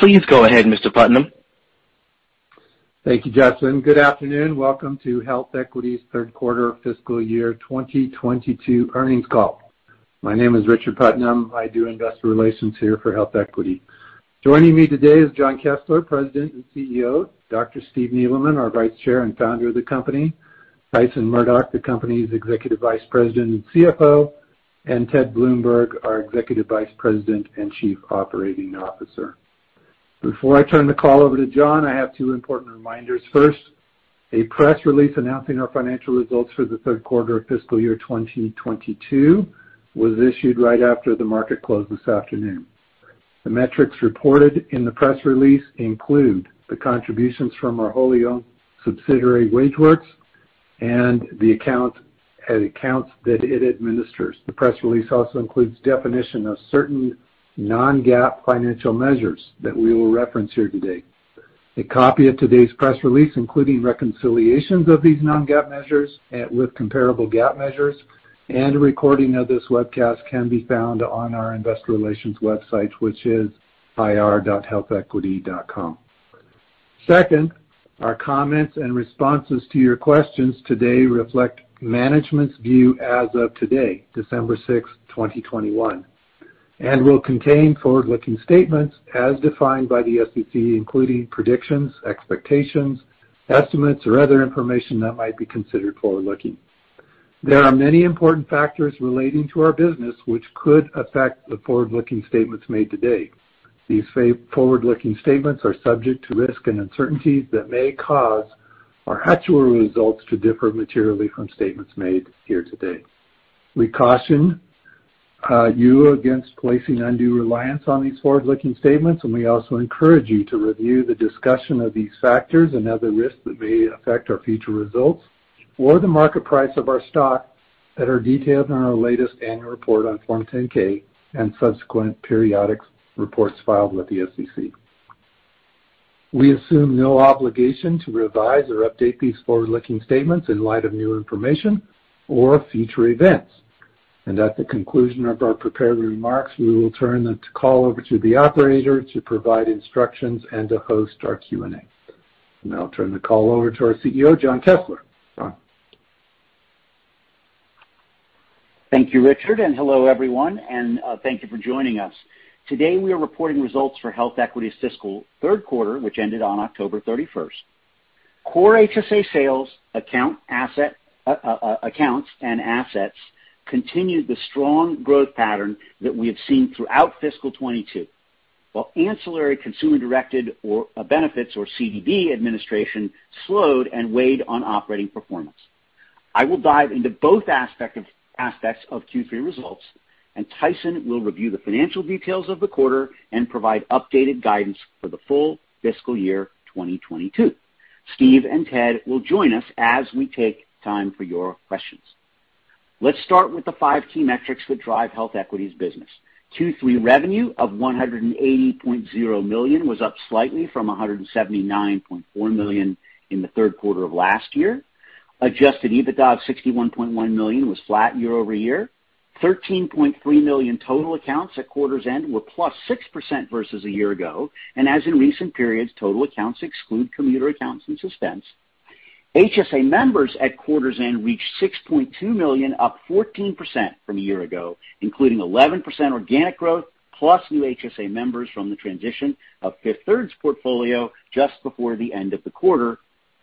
Please go ahead, Mr. Putnam. Thank you, Justin. Good afternoon. Welcome to HealthEquity's third quarter fiscal year 2022 earnings call. My name is Richard Putnam. I do investor relations here for HealthEquity. Joining me today is Jon Kessler, President and CEO, Dr. Steve Neeleman, our Vice Chair and Founder of the company, Tyson Murdock, the company's Executive Vice President and CFO, and Ted Bloomberg, our Executive Vice President and Chief Operating Officer. Before I turn the call over to Jon, I have two important reminders. First, a press release announcing our financial results for the third quarter of fiscal year 2022 was issued right after the market closed this afternoon. The metrics reported in the press release include the contributions from our wholly owned subsidiary, WageWorks, and the accounts that it administers. The press release also includes definition of certain non-GAAP financial measures that we will reference here today. A copy of today's press release, including reconciliations of these non-GAAP measures with comparable GAAP measures, and a recording of this webcast can be found on our investor relations website, which is ir.healthequity.com. Second, our comments and responses to your questions today reflect management's view as of today, December 6, 2021, and will contain forward-looking statements as defined by the SEC, including predictions, expectations, estimates, or other information that might be considered forward-looking. There are many important factors relating to our business which could affect the forward-looking statements made today. These forward-looking statements are subject to risks and uncertainties that may cause our actual results to differ materially from statements made here today. We caution you against placing undue reliance on these forward-looking statements, and we also encourage you to review the discussion of these factors and other risks that may affect our future results or the market price of our stock that are detailed in our latest annual report on Form 10-K and subsequent periodic reports filed with the SEC. We assume no obligation to revise or update these forward-looking statements in light of new information or future events. At the conclusion of our prepared remarks, we will turn the call over to the operator to provide instructions and to host our Q&A. I'll now turn the call over to our CEO, Jon Kessler. Thank you, Richard, and hello, everyone, and thank you for joining us. Today, we are reporting results for HealthEquity's fiscal third quarter, which ended on October 31st. Core HSA sales, accounts and assets continued the strong growth pattern that we have seen throughout fiscal 2022, while ancillary consumer-directed or benefits or CDB administration slowed and weighed on operating performance. I will dive into both aspects of Q3 results, and Tyson will review the financial details of the quarter and provide updated guidance for the full fiscal year 2022. Steve and Ted will join us as we take time for your questions. Let's start with the five key metrics that drive HealthEquity's business. Q3 revenue of $180.0 million was up slightly from $179.4 million in the third quarter of last year. Adjusted EBITDA of $61.1 million was flat year-over-year. 13.3 million total accounts at quarter's end were +6% versus a year ago, and as in recent periods, total accounts exclude commuter accounts in suspense. HSA members at quarter's end reached 6.2 million, up 14% from a year ago, including 11% organic growth, plus new HSA members from the transition of Fifth Third's portfolio just before the end of the quarter.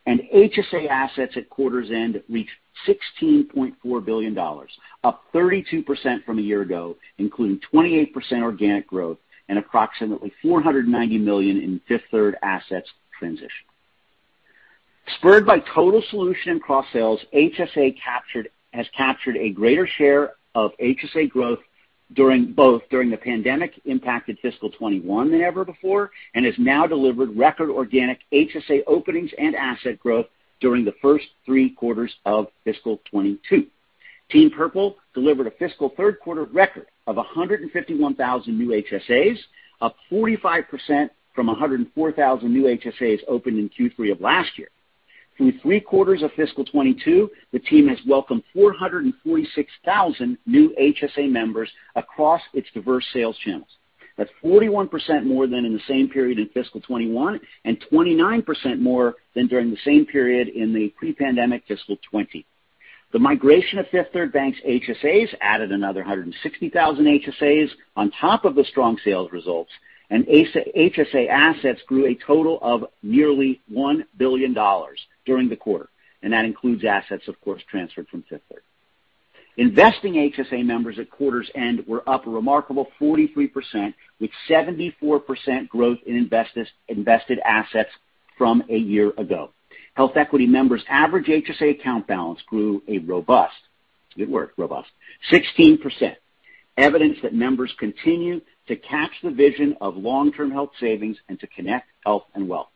HSA assets at quarter's end reached $16.4 billion, up 32% from a year ago, including 28% organic growth and approximately $490 million in Fifth Third assets transition. Spurred by total solution and cross-sales, HSA has captured a greater share of HSA growth during the pandemic impacted fiscal 2021 than ever before, and has now delivered record organic HSA openings and asset growth during the first three quarters of fiscal 2022. Team Purple delivered a fiscal third quarter record of 151,000 new HSAs, up 45% from 104,000 new HSAs opened in Q3 of last year. Through three quarters of fiscal 2022, the team has welcomed 446,000 new HSA members across its diverse sales channels. That's 41% more than in the same period in fiscal 2021, and 29% more than during the same period in the pre-pandemic fiscal 2020. The migration of Fifth Third Bank's HSAs added another 160,000 HSAs on top of the strong sales results, and HSA assets grew a total of nearly $1 billion during the quarter, and that includes assets, of course, transferred from Fifth Third. Investing HSA members at quarter's end were up a remarkable 43%, with 74% growth in invested assets from a year ago. HealthEquity members' average HSA account balance grew a robust 16%, evidence that members continue to catch the vision of long-term health savings and to connect health and wealth.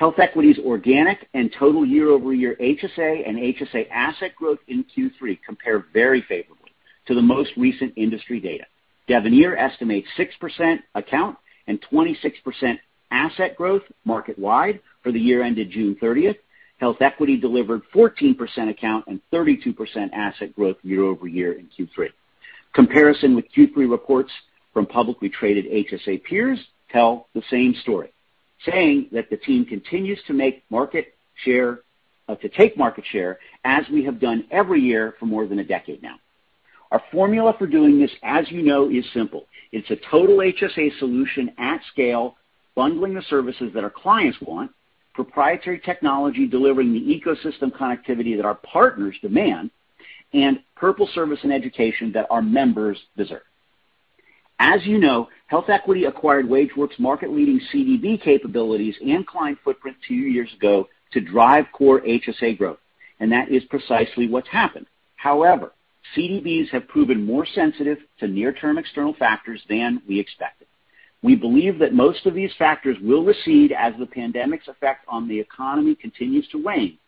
HealthEquity's organic and total year-over-year HSA and HSA asset growth in Q3 compare very favorably to the most recent industry data. Devenir estimates 6% account and 26% asset growth market wide for the year ended June 30th. HealthEquity delivered 14% account and 32% asset growth year-over-year in Q3. Comparison with Q3 reports from publicly traded HSA peers tell the same story, saying that the team continues to take market share, as we have done every year for more than a decade now. Our formula for doing this, as you know, is simple. It's a total HSA solution at scale, bundling the services that our clients want, proprietary technology delivering the ecosystem connectivity that our partners demand, and Purple service and education that our members deserve. As you know, HealthEquity acquired WageWorks market-leading CDB capabilities and client footprint two years ago to drive core HSA growth, and that is precisely what's happened. However, CDBs have proven more sensitive to near-term external factors than we expected. We believe that most of these factors will recede as the pandemic's effect on the economy continues to wane.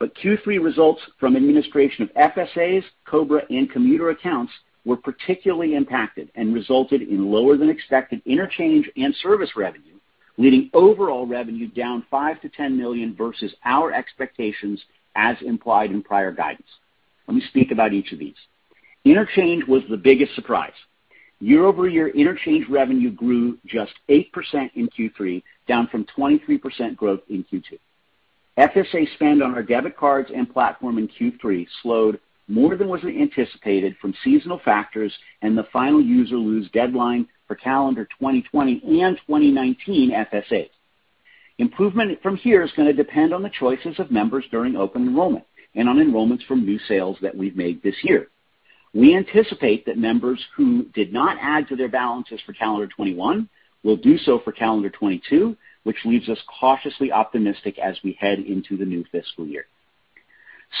Q3 results from administration of FSAs, COBRA, and commuter accounts were particularly impacted and resulted in lower than expected interchange and service revenue, leading overall revenue down $5 million-$10 million versus our expectations as implied in prior guidance. Let me speak about each of these. Interchange was the biggest surprise. Year over year, interchange revenue grew just 8% in Q3, down from 23% growth in Q2. FSA spend on our debit cards and platform in Q3 slowed more than was anticipated from seasonal factors and the final use or lose deadline for calendar 2020 and 2019 FSA. Improvement from here is gonna depend on the choices of members during open enrollment and on enrollments from new sales that we've made this year. We anticipate that members who did not add to their balances for calendar 2021 will do so for calendar 2022, which leaves us cautiously optimistic as we head into the new fiscal year.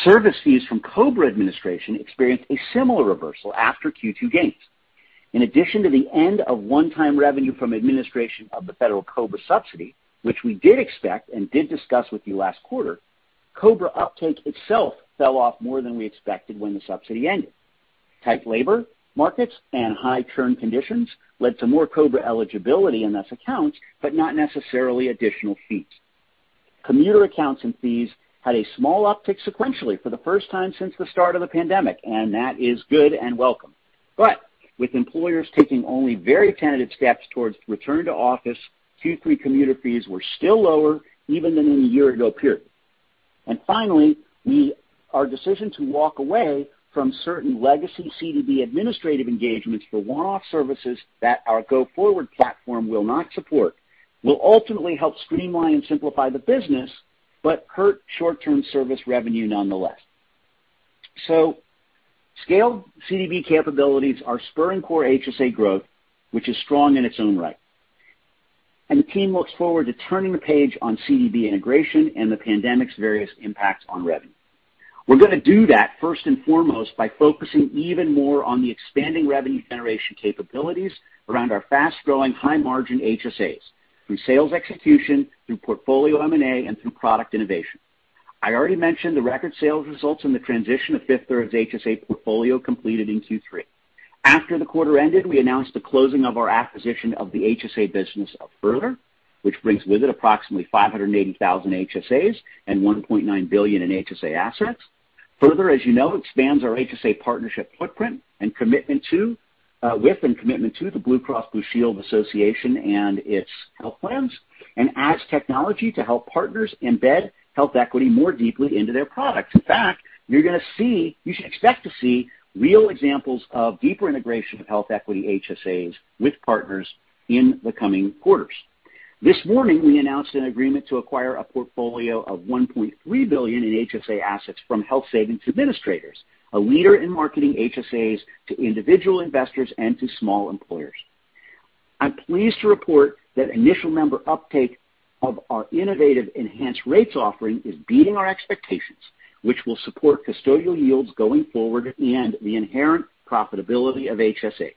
Service fees from COBRA administration experienced a similar reversal after Q2 gains. In addition to the end of one-time revenue from administration of the federal COBRA subsidy, which we did expect and did discuss with you last quarter, COBRA uptake itself fell off more than we expected when the subsidy ended. Tight labor markets and high churn conditions led to more COBRA eligibility in less accounts, but not necessarily additional fees. Commuter accounts and fees had a small uptick sequentially for the first time since the start of the pandemic, and that is good and welcome. With employers taking only very tentative steps towards return to office, Q3 commuter fees were still lower even than in the year ago period. Finally, our decision to walk away from certain legacy CDB administrative engagements for one-off services that our go-forward platform will not support will ultimately help streamline and simplify the business, but hurt short-term service revenue nonetheless. Scaled CDB capabilities are spurring core HSA growth, which is strong in its own right. The team looks forward to turning the page on CDB integration and the pandemic's various impacts on revenue. We're gonna do that first and foremost by focusing even more on the expanding revenue generation capabilities around our fast-growing high-margin HSAs, through sales execution, through portfolio M&A, and through product innovation. I already mentioned the record sales results in the transition of Fifth Third's HSA portfolio completed in Q3. After the quarter ended, we announced the closing of our acquisition of the HSA business of Further, which brings with it approximately 580,000 HSAs and $1.9 billion in HSA assets. Further, as you know, expands our HSA partnership footprint and commitment to the Blue Cross Blue Shield Association and its health plans, and adds technology to help partners embed HealthEquity more deeply into their products. In fact, you're gonna see, you should expect to see real examples of deeper integration of HealthEquity HSAs with partners in the coming quarters. This morning, we announced an agreement to acquire a portfolio of $1.3 billion in HSA assets from Health Savings Administrators, a leader in marketing HSAs to individual investors and to small employers. I'm pleased to report that initial member uptake of our innovative enhanced rates offering is beating our expectations, which will support custodial yields going forward and the inherent profitability of HSAs.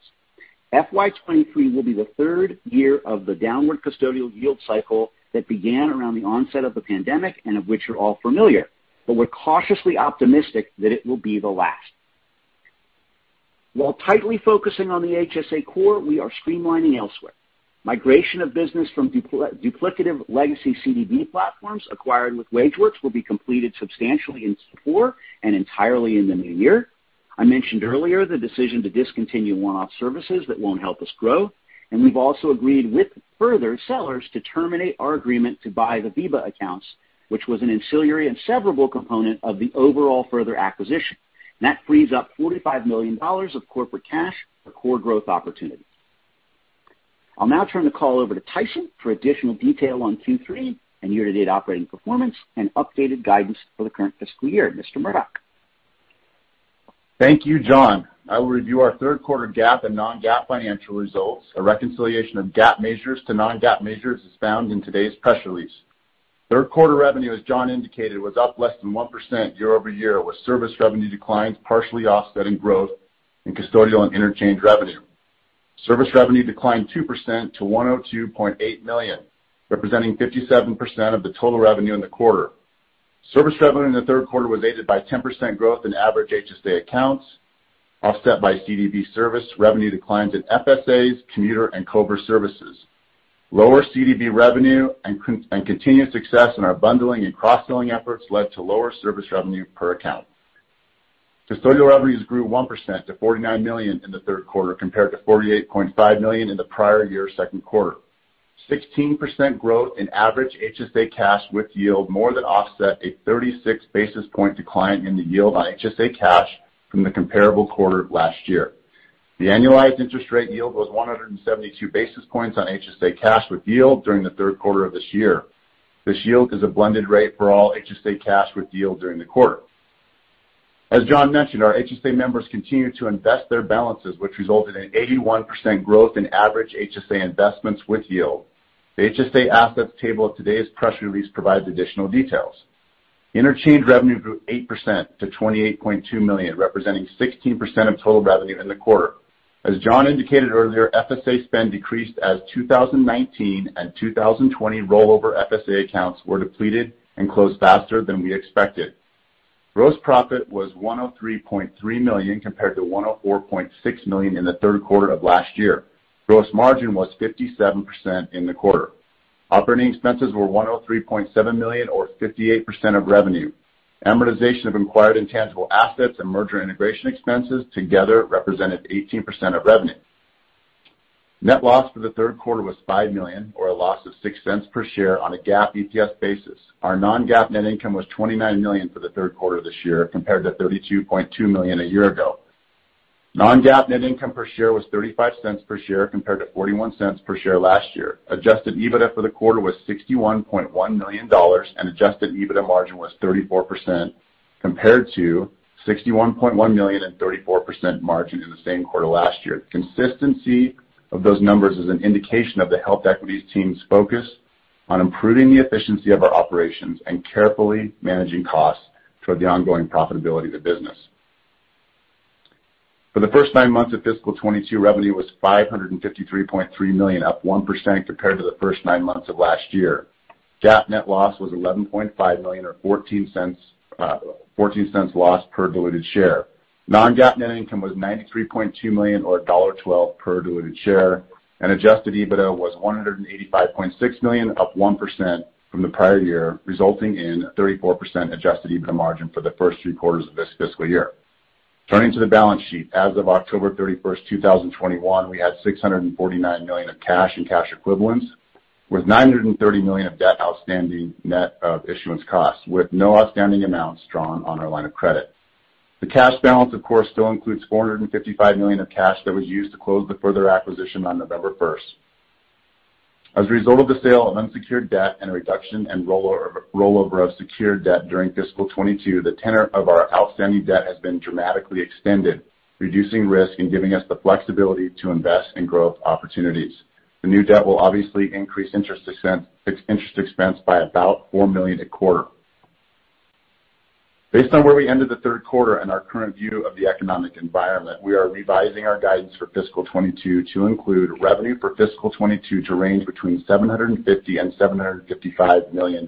FY 2023 will be the third year of the downward custodial yield cycle that began around the onset of the pandemic, and of which you're all familiar. We're cautiously optimistic that it will be the last. While tightly focusing on the HSA core, we are streamlining elsewhere. Migration of business from duplicative legacy CDB platforms acquired with WageWorks will be completed substantially in Q4 and entirely in the new year. I mentioned earlier the decision to discontinue one-off services that won't help us grow. We've also agreed with Further sellers to terminate our agreement to buy the VEBA accounts, which was an ancillary and severable component of the overall Further acquisition. That frees up $45 million of corporate cash for core growth opportunities. I'll now turn the call over to Tyson for additional detail on Q3 and year-to-date operating performance and updated guidance for the current fiscal year. Mr. Murdock. Thank you, Jon. I will review our third quarter GAAP and non-GAAP financial results. A reconciliation of GAAP measures to non-GAAP measures is found in today's press release. Third quarter revenue, as Jon indicated, was up less than 1% year-over-year, with service revenue declines partially offsetting growth in custodial and interchange revenue. Service revenue declined 2% to $102.8 million, representing 57% of the total revenue in the quarter. Service revenue in the third quarter was aided by 10% growth in average HSA accounts, offset by CDB service revenue declines in FSAs, commuter, and COBRA services. Lower CDB revenue and continued success in our bundling and cross-selling efforts led to lower service revenue per account. Custodial revenues grew 1% to $49 million in the third quarter compared to $48.5 million in the prior year's third quarter. 16% growth in average HSA cash with yield more than offset a 36 basis point decline in the yield on HSA cash from the comparable quarter last year. The annualized interest rate yield was 172 basis points on HSA cash with yield during the third quarter of this year. This yield is a blended rate for all HSA cash with yield during the quarter. As Jon mentioned, our HSA members continued to invest their balances, which resulted in 81% growth in average HSA investments with yield. The HSA assets table of today's press release provides additional details. Interchange revenue grew 8% to $28.2 million, representing 16% of total revenue in the quarter. As Jon indicated earlier, FSA spend decreased as 2019 and 2020 rollover FSA accounts were depleted and closed faster than we expected. Gross profit was $103.3 million compared to $104.6 million in the third quarter of last year. Gross margin was 57% in the quarter. Operating expenses were $103.7 million or 58% of revenue. Amortization of acquired intangible assets and merger integration expenses together represented 18% of revenue. Net loss for the third quarter was $5 million or a loss of $0.06 per share on a GAAP EPS basis. Our non-GAAP net income was $29 million for the third quarter of this year compared to $32.2 million a year ago. Non-GAAP net income per share was $0.35 per share compared to $0.41 per share last year. Adjusted EBITDA for the quarter was $61.1 million, and adjusted EBITDA margin was 34% compared to $61.1 million and 34% margin in the same quarter last year. Consistency of those numbers is an indication of the HealthEquity team's focus on improving the efficiency of our operations and carefully managing costs toward the ongoing profitability of the business. For the first nine months of fiscal 2022, revenue was $553.3 million, up 1% compared to the first nine months of last year. GAAP net loss was $11.5 million or $0.14, fourteen cents loss per diluted share. non-GAAP net income was $93.2 million or $1.12 per diluted share, and adjusted EBITDA was $185.6 million, up 1% from the prior year, resulting in a 34% adjusted EBITDA margin for the first three quarters of this fiscal year. Turning to the balance sheet, as of October 31, 2021, we had $649 million of cash and cash equivalents, with $930 million of debt outstanding net of issuance costs, with no outstanding amounts drawn on our line of credit. The cash balance, of course, still includes $455 million of cash that was used to close the Further acquisition on November 1st. As a result of the sale of unsecured debt and a reduction in rollover of secured debt during fiscal 2022, the tenor of our outstanding debt has been dramatically extended, reducing risk and giving us the flexibility to invest in growth opportunities. The new debt will obviously increase interest expense by about $4 million a quarter. Based on where we ended the third quarter and our current view of the economic environment, we are revising our guidance for fiscal 2022 to include revenue for fiscal 2022 to range between $750 million and $755 million.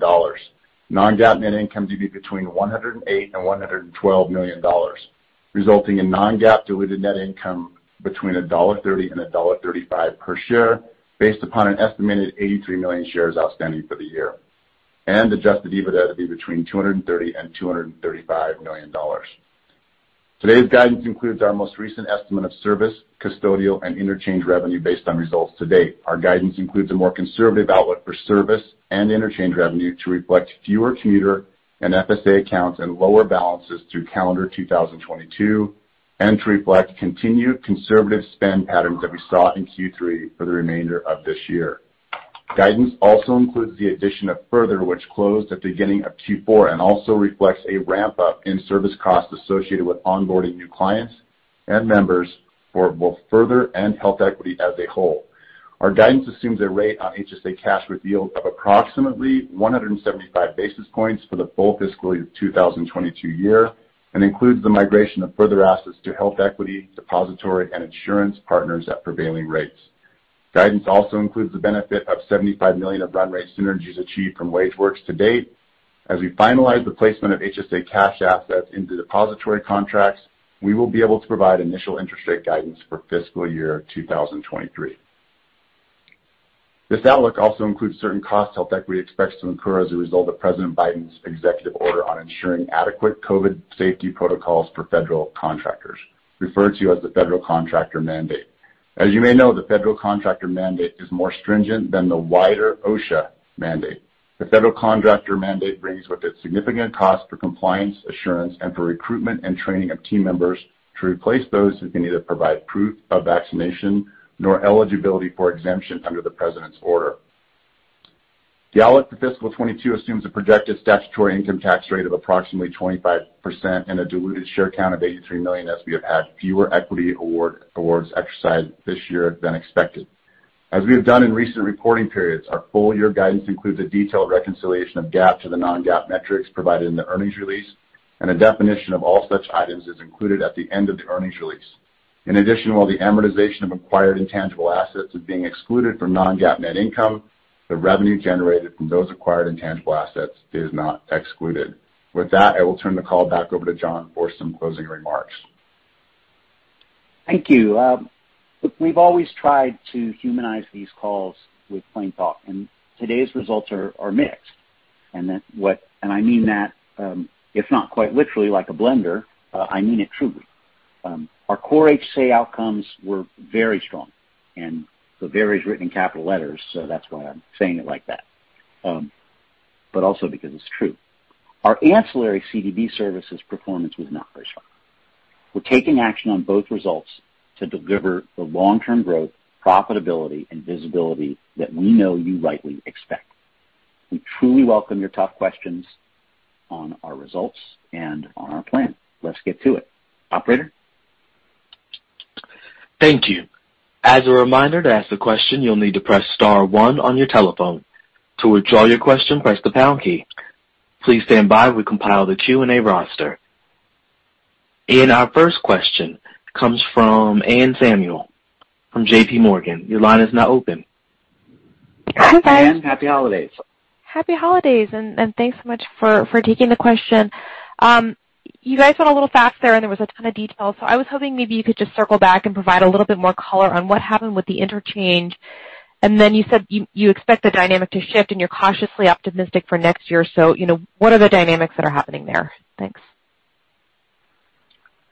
Non-GAAP net income to be between $108 million and $112 million, resulting in non-GAAP diluted net income between $1.30 and $1.35 per share based upon an estimated 83 million shares outstanding for the year. Adjusted EBITDA to be between $230 million-$235 million. Today's guidance includes our most recent estimate of service, custodial, and interchange revenue based on results to date. Our guidance includes a more conservative outlook for service and interchange revenue to reflect fewer commuter and FSA accounts and lower balances through calendar 2022, and to reflect continued conservative spend patterns that we saw in Q3 for the remainder of this year. Guidance also includes the addition of Further, which closed at the beginning of Q4 and also reflects a ramp-up in service costs associated with onboarding new clients and members for both Further and HealthEquity as a whole. Our guidance assumes a rate on HSA cash with yields of approximately 175 basis points for the full fiscal year 2022, and includes the migration of Further assets to HealthEquity depository and insurance partners at prevailing rates. Guidance also includes the benefit of $75 million of run rate synergies achieved from WageWorks to date. As we finalize the placement of HSA cash assets into depository contracts, we will be able to provide initial interest rate guidance for fiscal year 2023. This outlook also includes certain costs HealthEquity expects to incur as a result of President Biden's executive order on ensuring adequate COVID safety protocols for federal contractors, referred to as the federal contractor mandate. As you may know, the federal contractor mandate is more stringent than the wider OSHA mandate. The federal contractor mandate brings with it significant cost for compliance, assurance, and for recruitment and training of team members to replace those who can neither provide proof of vaccination nor eligibility for exemption under the president's order. The outlook for fiscal 2022 assumes a projected statutory income tax rate of approximately 25% and a diluted share count of 83 million as we have had fewer equity awards exercised this year than expected. As we have done in recent reporting periods, our full-year guidance includes a detailed reconciliation of GAAP to the non-GAAP metrics provided in the earnings release, and a definition of all such items is included at the end of the earnings release. In addition, while the amortization of acquired intangible assets is being excluded from non-GAAP net income, the revenue generated from those acquired intangible assets is not excluded. With that, I will turn the call back over to Jon for some closing remarks. Thank you. We've always tried to humanize these calls with plain thought, and today's results are mixed. I mean that if not quite literally like a blender. Our core HSA outcomes were very strong. The very is written in capital letters, so that's why I'm saying it like that, but also because it's true. Our ancillary CDB services performance was not very strong. We're taking action on both results to deliver the long-term growth, profitability, and visibility that we know you rightly expect. We truly welcome your tough questions on our results and on our plan. Let's get to it. Operator? Thank you. As a reminder, to ask a question, you'll need to press star one on your telephone. To withdraw your question, press the pound key. Please stand by. We compile the Q&A roster. Our first question comes from Anne Samuel from JPMorgan. Your line is now open. Hi, guys. Anne, happy holidays. Happy holidays, and thanks so much for taking the question. You guys went a little fast there, and there was a ton of details. I was hoping maybe you could just circle back and provide a little bit more color on what happened with the interchange. Then you said you expect the dynamic to shift and you're cautiously optimistic for next year. You know, what are the dynamics that are happening there? Thanks.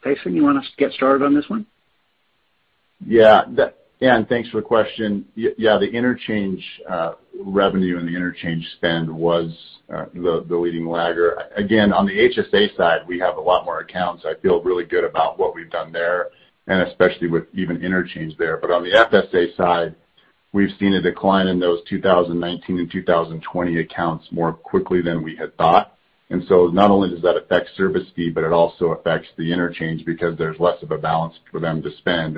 Tyson, you want us to get started on this one? Yeah. Anne, thanks for the question. Yeah, the interchange revenue and the interchange spend was the leading lagger. Again, on the HSA side, we have a lot more accounts. I feel really good about what we've done there, and especially with even interchange there. But on the FSA side, we've seen a decline in those 2019 and 2020 accounts more quickly than we had thought. Not only does that affect service fee, but it also affects the interchange because there's less of a balance for them to spend.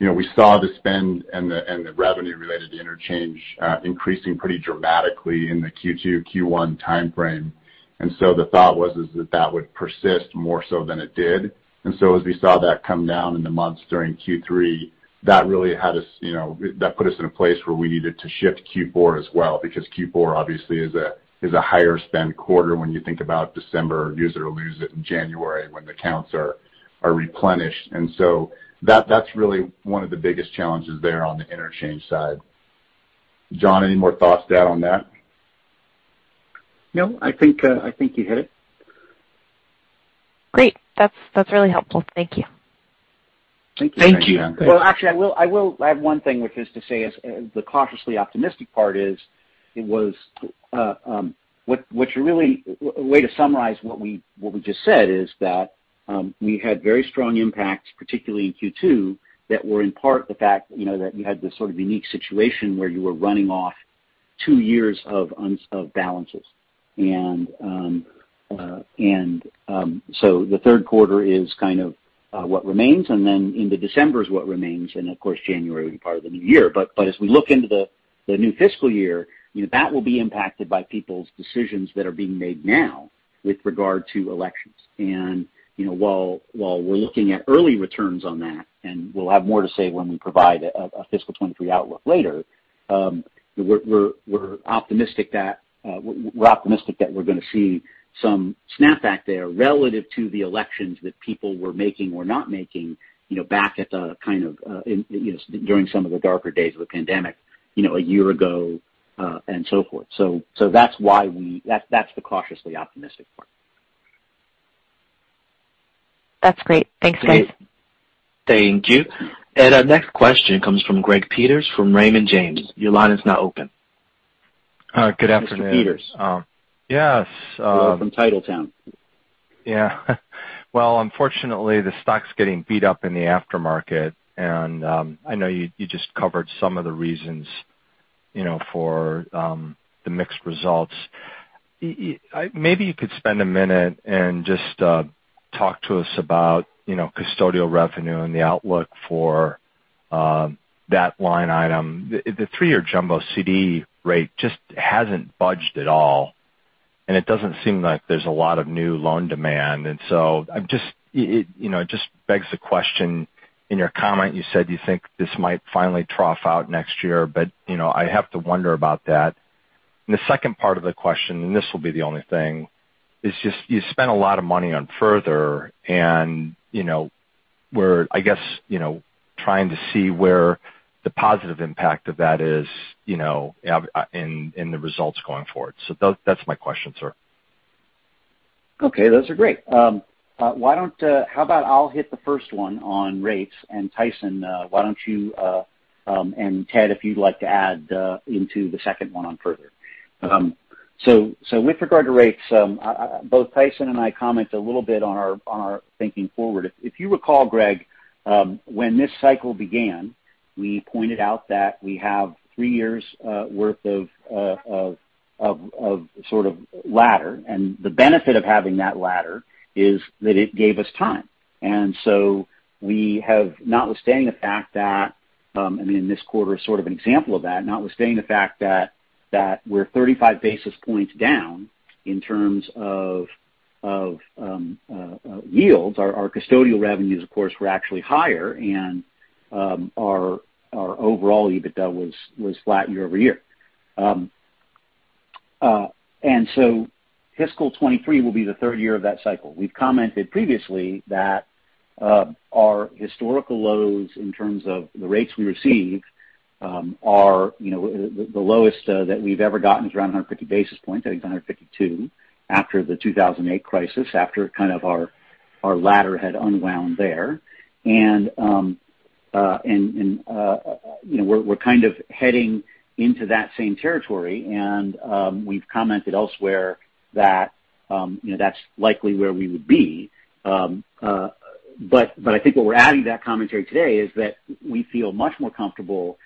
You know, we saw the spend and the revenue related to interchange increasing pretty dramatically in the Q2, Q1 timeframe. The thought was that that would persist more so than it did. As we saw that come down in the months during Q3, that really had us, you know, that put us in a place where we needed to shift Q4 as well because Q4 obviously is a higher spend quarter when you think about December use it or lose it in January when the accounts are replenished. That, that's really one of the biggest challenges there on the interchange side. Jon, any more thoughts to add on that? No, I think you hit it. Great. That's really helpful. Thank you. Thank you. Thank you, Anne. Well, actually, I have one thing, which is to say the cautiously optimistic part is it was the way to summarize what we just said is that we had very strong impacts, particularly in Q2, that were in part the fact that you know that you had this sort of unique situation where you were running off two years of balances. So the third quarter is kind of what remains, and then into December is what remains. Of course, January would be part of the new year. As we look into the new fiscal year, you know, that will be impacted by people's decisions that are being made now with regard to elections. You know, while we're looking at early returns on that, and we'll have more to say when we provide a fiscal 2023 outlook later, we're optimistic that we're gonna see some snap back there relative to the elections that people were making or not making, you know, back in, you know, during some of the darker days of the pandemic, you know, a year ago, and so forth. So that's why we. That's the cautiously optimistic part. That's great. Thanks, guys. Thank you. Our next question comes from Greg Peters from Raymond James. Your line is now open. Good afternoon. Mr. Peters. Yes. Hello from Titletown. Yeah. Well, unfortunately, the stock's getting beat up in the aftermarket. I know you just covered some of the reasons, you know, for the mixed results. Maybe you could spend a minute and just talk to us about, you know, custodial revenue and the outlook for that line item. The three-year jumbo CD rate just hasn't budged at all, and it doesn't seem like there's a lot of new loan demand. I'm just, you know, it just begs the question. In your comment, you said you think this might finally trough out next year, but, you know, I have to wonder about that. The second part of the question, and this will be the only thing, is just you spend a lot of money on Further and, you know, we're, I guess, you know, trying to see where the positive impact of that is, you know, in the results going forward. That's my question, sir. Okay. Those are great. How about I'll hit the first one on rates? Tyson, why don't you, and Ted, if you'd like to add into the second one on Further. So with regard to rates, both Tyson and I comment a little bit on our thinking forward. If you recall, Greg, when this cycle began, we pointed out that we have three years worth of sort of ladder, and the benefit of having that ladder is that it gave us time. We have, notwithstanding the fact that, I mean, this quarter is sort of an example of that, notwithstanding the fact that we're 35 basis points down in terms of yields. Our custodial revenues, of course, were actually higher and our overall EBITDA was flat year-over-year. Fiscal 2023 will be the third year of that cycle. We've commented previously that our historical lows in terms of the rates we receive are, you know, the lowest that we've ever gotten is around 150 basis points. I think it's 152 after the 2008 crisis, after kind of our ladder had unwound there. You know, we're kind of heading into that same territory. We've commented elsewhere that, you know, that's likely where we would be. I think what we're adding to that commentary today is that we feel much more comfortable,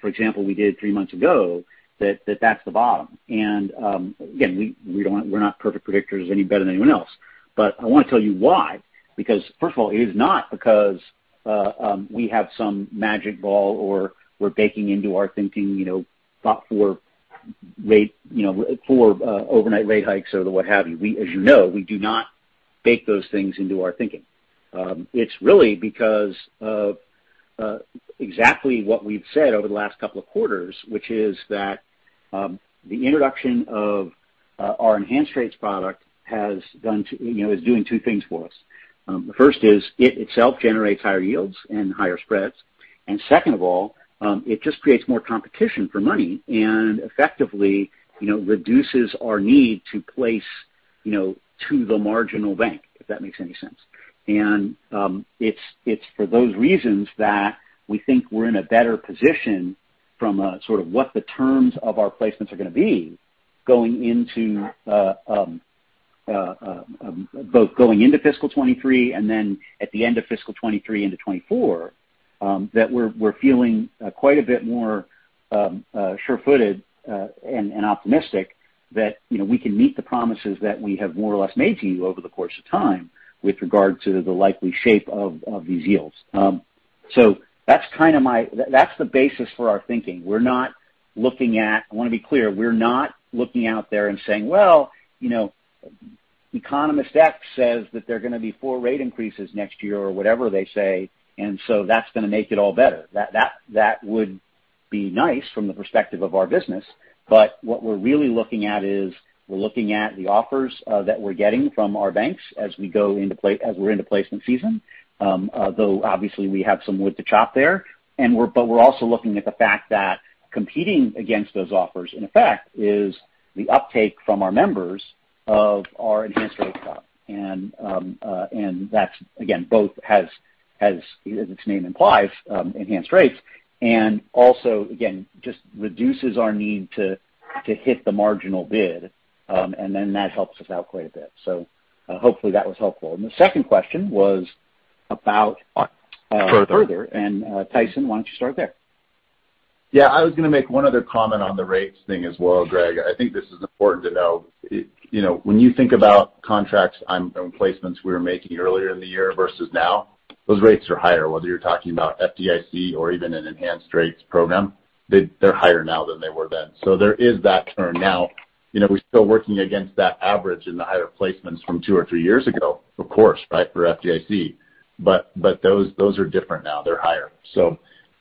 for example, than we did three months ago, that that's the bottom. Again, we're not perfect predictors any better than anyone else. I want to tell you why, because first of all, it is not because we have some magic ball or we're baking into our thinking, you know, about four overnight rate hikes or what have you. We, as you know, do not bake those things into our thinking. It's really because of exactly what we've said over the last couple of quarters, which is that the introduction of our enhanced rates product is doing two things for us. The first is it itself generates higher yields and higher spreads. Second of all, it just creates more competition for money and effectively, you know, reduces our need to place, you know, to the marginal bank, if that makes any sense. It's for those reasons that we think we're in a better position from sort of what the terms of our placements are gonna be going into both going into fiscal 2023 and then at the end of fiscal 2023 into 2024, that we're feeling quite a bit more sure-footed and optimistic that, you know, we can meet the promises that we have more or less made to you over the course of time with regard to the likely shape of these yields. That's the basis for our thinking. I wanna be clear. We're not looking out there and saying, "Well, you know, Economist X says that there are gonna be four rate increases next year," or whatever they say, and so that's gonna make it all better. That would be nice from the perspective of our business. What we're really looking at is we're looking at the offers that we're getting from our banks as we're into placement season. Though obviously we have some wood to chop there. We're also looking at the fact that competing against those offers, in effect, is the uptake from our members of our enhanced rates product. That's again both has as its name implies enhanced rates and also again just reduces our need to hit the marginal bid. That helps us out quite a bit. Hopefully that was helpful. The second question was about Further. Further. Tyson, why don't you start there? Yeah. I was gonna make one other comment on the rates thing as well, Greg. I think this is important to know. It, you know, when you think about contracts on placements we were making earlier in the year versus now, those rates are higher, whether you're talking about FDIC or even an enhanced rates program. They're higher now than they were then. There is that turn. Now, you know, we're still working against that average in the higher placements from two or three years ago, of course, right, for FDIC. Those are different now. They're higher. I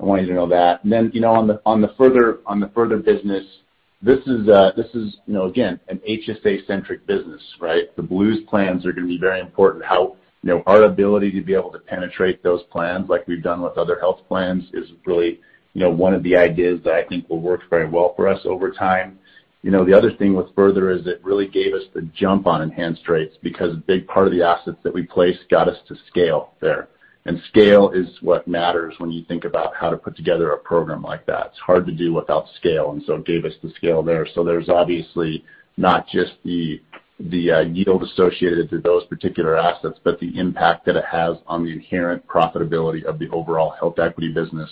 want you to know that. Then, you know, on the Further business, this is, you know, again, an HSA-centric business, right? The Blues plans are gonna be very important. Now, you know, our ability to be able to penetrate those plans like we've done with other health plans is really, you know, one of the ideas that I think will work very well for us over time. You know, the other thing with Further is it really gave us the jump on enhanced rates because a big part of the assets that we placed got us to scale there. Scale is what matters when you think about how to put together a program like that. It's hard to do without scale, and so it gave us the scale there. There's obviously not just the yield associated to those particular assets, but the impact that it has on the inherent profitability of the overall HealthEquity business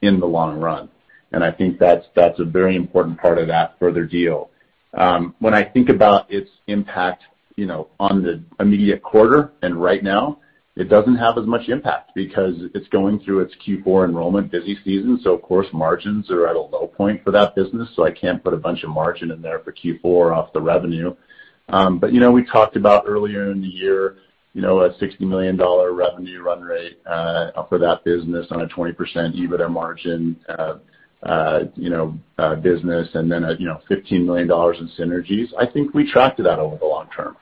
in the long run. I think that's a very important part of that Further deal. When I think about its impact, you know, on the immediate quarter and right now, it doesn't have as much impact because it's going through its Q4 enrollment busy season, so of course, margins are at a low point for that business, so I can't put a bunch of margin in there for Q4 off the revenue. But you know, we talked about earlier in the year, you know, a $60 million revenue run rate for that business on a 20% EBITDA margin, you know, business, and then a, you know, $15 million in synergies. I think we track to that over the long term.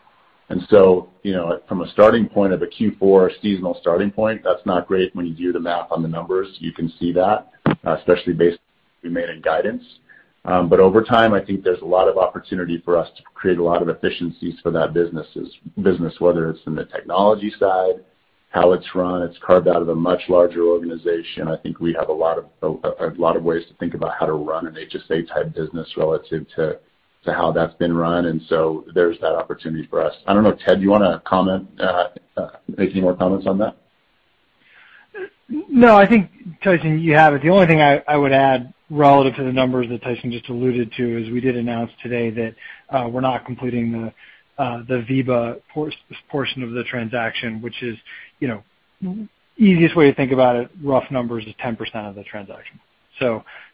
You know, from a starting point of a Q4 seasonal starting point, that's not great when you do the math on the numbers. You can see that, especially based on the guidance we made. Over time, I think there's a lot of opportunity for us to create a lot of efficiencies for that business, whether it's in the technology side, how it's run. It's carved out of a much larger organization. I think we have a lot of ways to think about how to run an HSA-type business relative to how that's been run. There's that opportunity for us. I don't know. Ted, do you wanna comment, make any more comments on that? No, I think, Tyson, you have it. The only thing I would add relative to the numbers that Tyson just alluded to is we did announce today that we're not completing the VEBA portion of the transaction, which is, you know, easiest way to think about it, rough numbers is 10% of the transaction.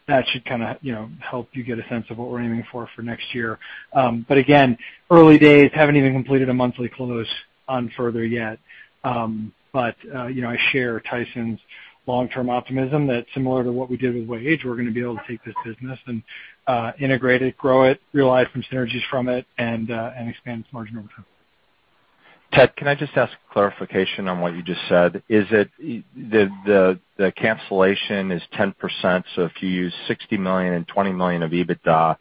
That should kind of, you know, help you get a sense of what we're aiming for for next year. Again, early days haven't even completed a monthly close on Further yet. I share Tyson's long-term optimism that similar to what we did with Wage, we're gonna be able to take this business and integrate it, grow it, realize some synergies from it, and expand its margin over time. Ted, can I just ask clarification on what you just said? Is it the cancellation is 10%, so if you use $60 million and $20 million of EBITDA,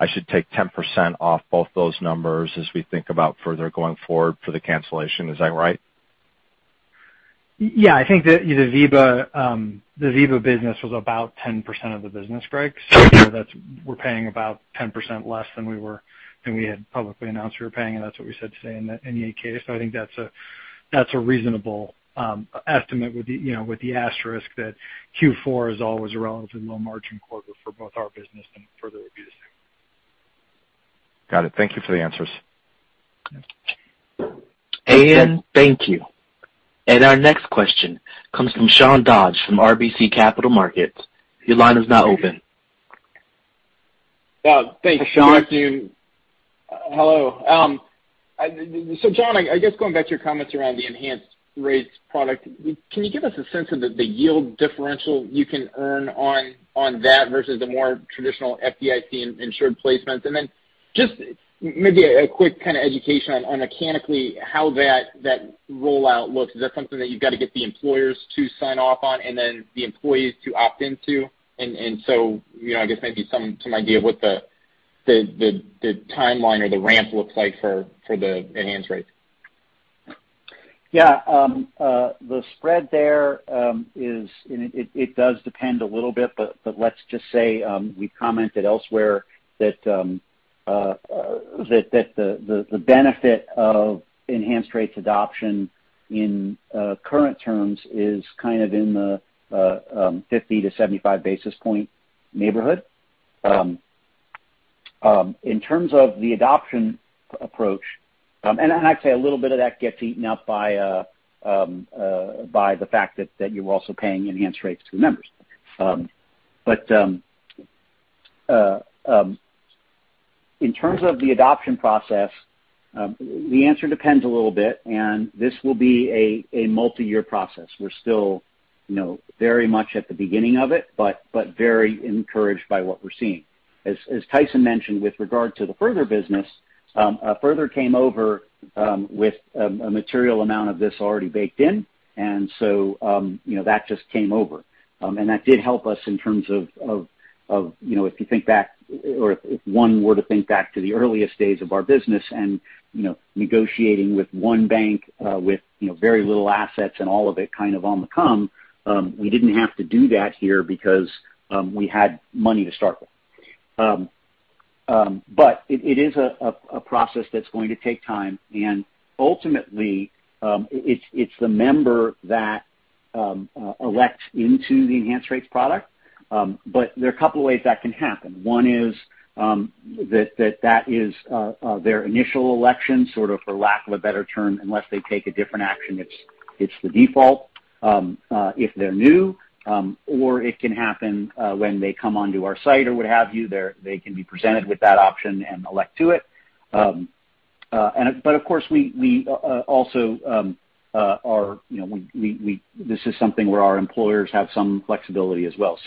I should take 10% off both those numbers as we think about Further going forward for the cancellation. Is that right? Yeah. I think that the VEBA business was about 10% of the business, Greg. We're paying about 10% less than we had publicly announced we were paying, and that's what we said today in the 8-K. I think that's a reasonable estimate with the, you know, with the asterisk that Q4 is always a relatively low margin quarter for both our business and for Further, it would be the same. Got it. Thank you for the answers. Ian, thank you. Our next question comes from Sean Dodge from RBC Capital Markets. Your line is now open. Well, thanks. Sean. Good afternoon. Hello. Jon, I guess going back to your comments around the enhanced rates product, can you give us a sense of the yield differential you can earn on that versus the more traditional FDIC insured placements? Then just maybe a quick kind of education on mechanically how that rollout looks. Is that something that you've got to get the employers to sign off on and then the employees to opt into? You know, I guess maybe some idea of what the timeline or the ramp looks like for the enhanced rates. Yeah. The spread there is. It does depend a little bit, but let's just say we commented elsewhere that the benefit of enhanced rates adoption in current terms is kind of in the 50-75 basis points neighborhood. In terms of the adoption approach, and I'd say a little bit of that gets eaten up by the fact that you're also paying enhanced rates to members. In terms of the adoption process, the answer depends a little bit. This will be a multiyear process. We're still, you know, very much at the beginning of it, but very encouraged by what we're seeing. As Tyson mentioned with regard to the Further business, Further came over with a material amount of this already baked in. You know, that just came over. That did help us in terms of you know, if you think back or if one were to think back to the earliest days of our business and you know, negotiating with one bank with you know very little assets and all of it kind of on the come, we didn't have to do that here because we had money to start with. It is a process that's going to take time. Ultimately, it's the member that elects into the enhanced rates product. There are a couple of ways that can happen. One is, that is, their initial election, sort of, for lack of a better term, unless they take a different action. It's the default if they're new or it can happen when they come onto our site or what have you. They can be presented with that option and elect to it. But of course, we also are, you know. This is something where our employers have some flexibility as well.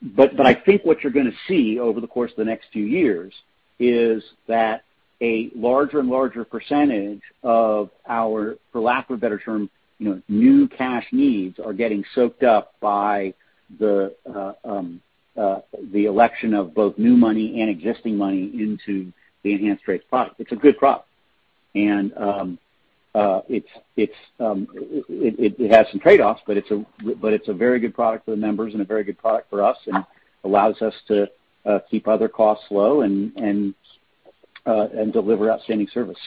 But I think what you're gonna see over the course of the next few years is that a larger and larger percentage of our, for lack of a better term, you know, new cash needs are getting soaked up by the election of both new money and existing money into the enhanced rates product. It's a good product. It has some trade-offs, but it's a very good product for the members and a very good product for us, and allows us to keep other costs low and deliver outstanding service.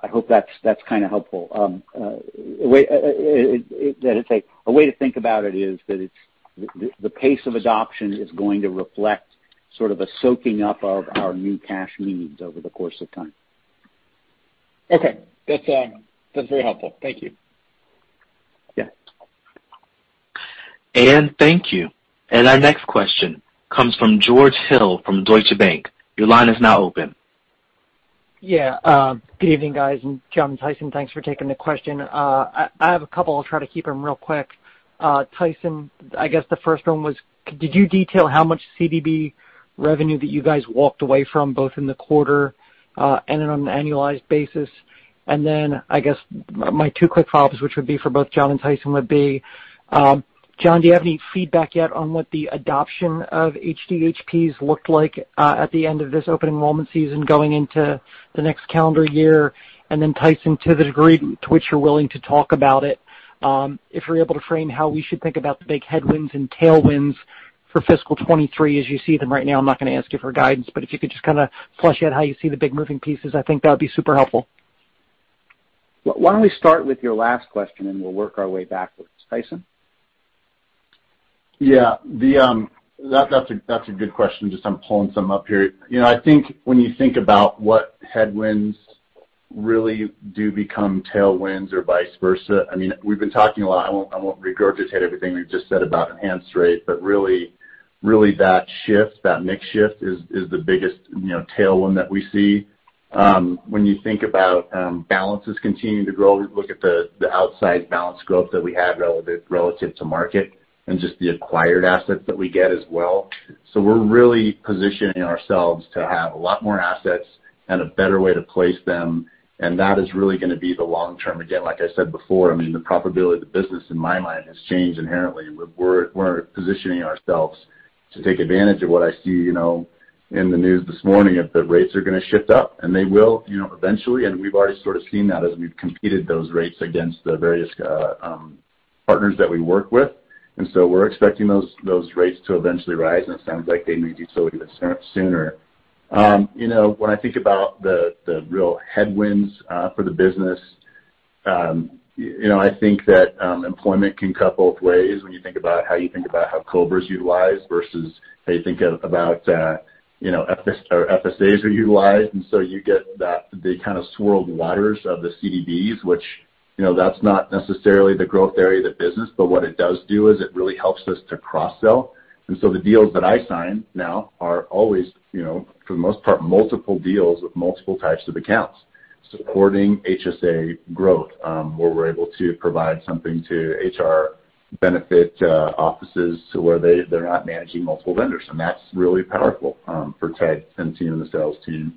I hope that's kind of helpful. A way... That is a way to think about it is that it's the pace of adoption is going to reflect sort of a soaking up of our new cash needs over the course of time. Okay. That's very helpful. Thank you. Yeah. Ian, thank you. Our next question comes from George Hill from Deutsche Bank. Your line is now open. Yeah. Good evening, guys. Jon and Tyson, thanks for taking the question. I have a couple. I'll try to keep them real quick. Tyson, I guess the first one was, did you detail how much CDB revenue that you guys walked away from, both in the quarter, and then on an annualized basis? I guess my two quick follows, which would be for both Jon and Tyson, would be, Jon, do you have any feedback yet on what the adoption of HDHPs looked like, at the end of this open enrollment season going into the next calendar year? Tyson, to the degree to which you're willing to talk about it, if you're able to frame how we should think about the big headwinds and tailwinds for fiscal 2023 as you see them right now. I'm not gonna ask you for guidance, but if you could just kind of flesh out how you see the big moving pieces, I think that would be super helpful. Why don't we start with your last question, and we'll work our way backwards. Tyson? Yeah. That's a good question. Just, I'm pulling some up here. You know, I think when you think about what headwinds Really do become tailwinds or vice versa. I mean, we've been talking a lot. I won't regurgitate everything we've just said about enhanced rates, but really that shift, that mix shift is the biggest, you know, tailwind that we see. When you think about balances continuing to grow, look at the outsized balance growth that we have relative to market and just the acquired assets that we get as well. We're really positioning ourselves to have a lot more assets and a better way to place them, and that is really gonna be the long term. Again, like I said before, I mean, the profitability of the business in my mind has changed inherently. We're positioning ourselves to take advantage of what I see, you know, in the news this morning, if the rates are gonna shift up, and they will, you know, eventually. We've already sort of seen that as we've competed those rates against the various partners that we work with. We're expecting those rates to eventually rise, and it sounds like they may do so even sooner. You know, when I think about the real headwinds for the business, you know, I think that employment can cut both ways when you think about how COBRA's utilized versus how you think about or FSAs are utilized. You get that, the kind of swirled waters of the CDBs, which, you know, that's not necessarily the growth area of the business, but what it does do is it really helps us to cross-sell. The deals that I sign now are always, you know, for the most part, multiple deals with multiple types of accounts supporting HSA growth, where we're able to provide something to HR benefit offices to where they're not managing multiple vendors. That's really powerful, for Ted and the team and the sales team.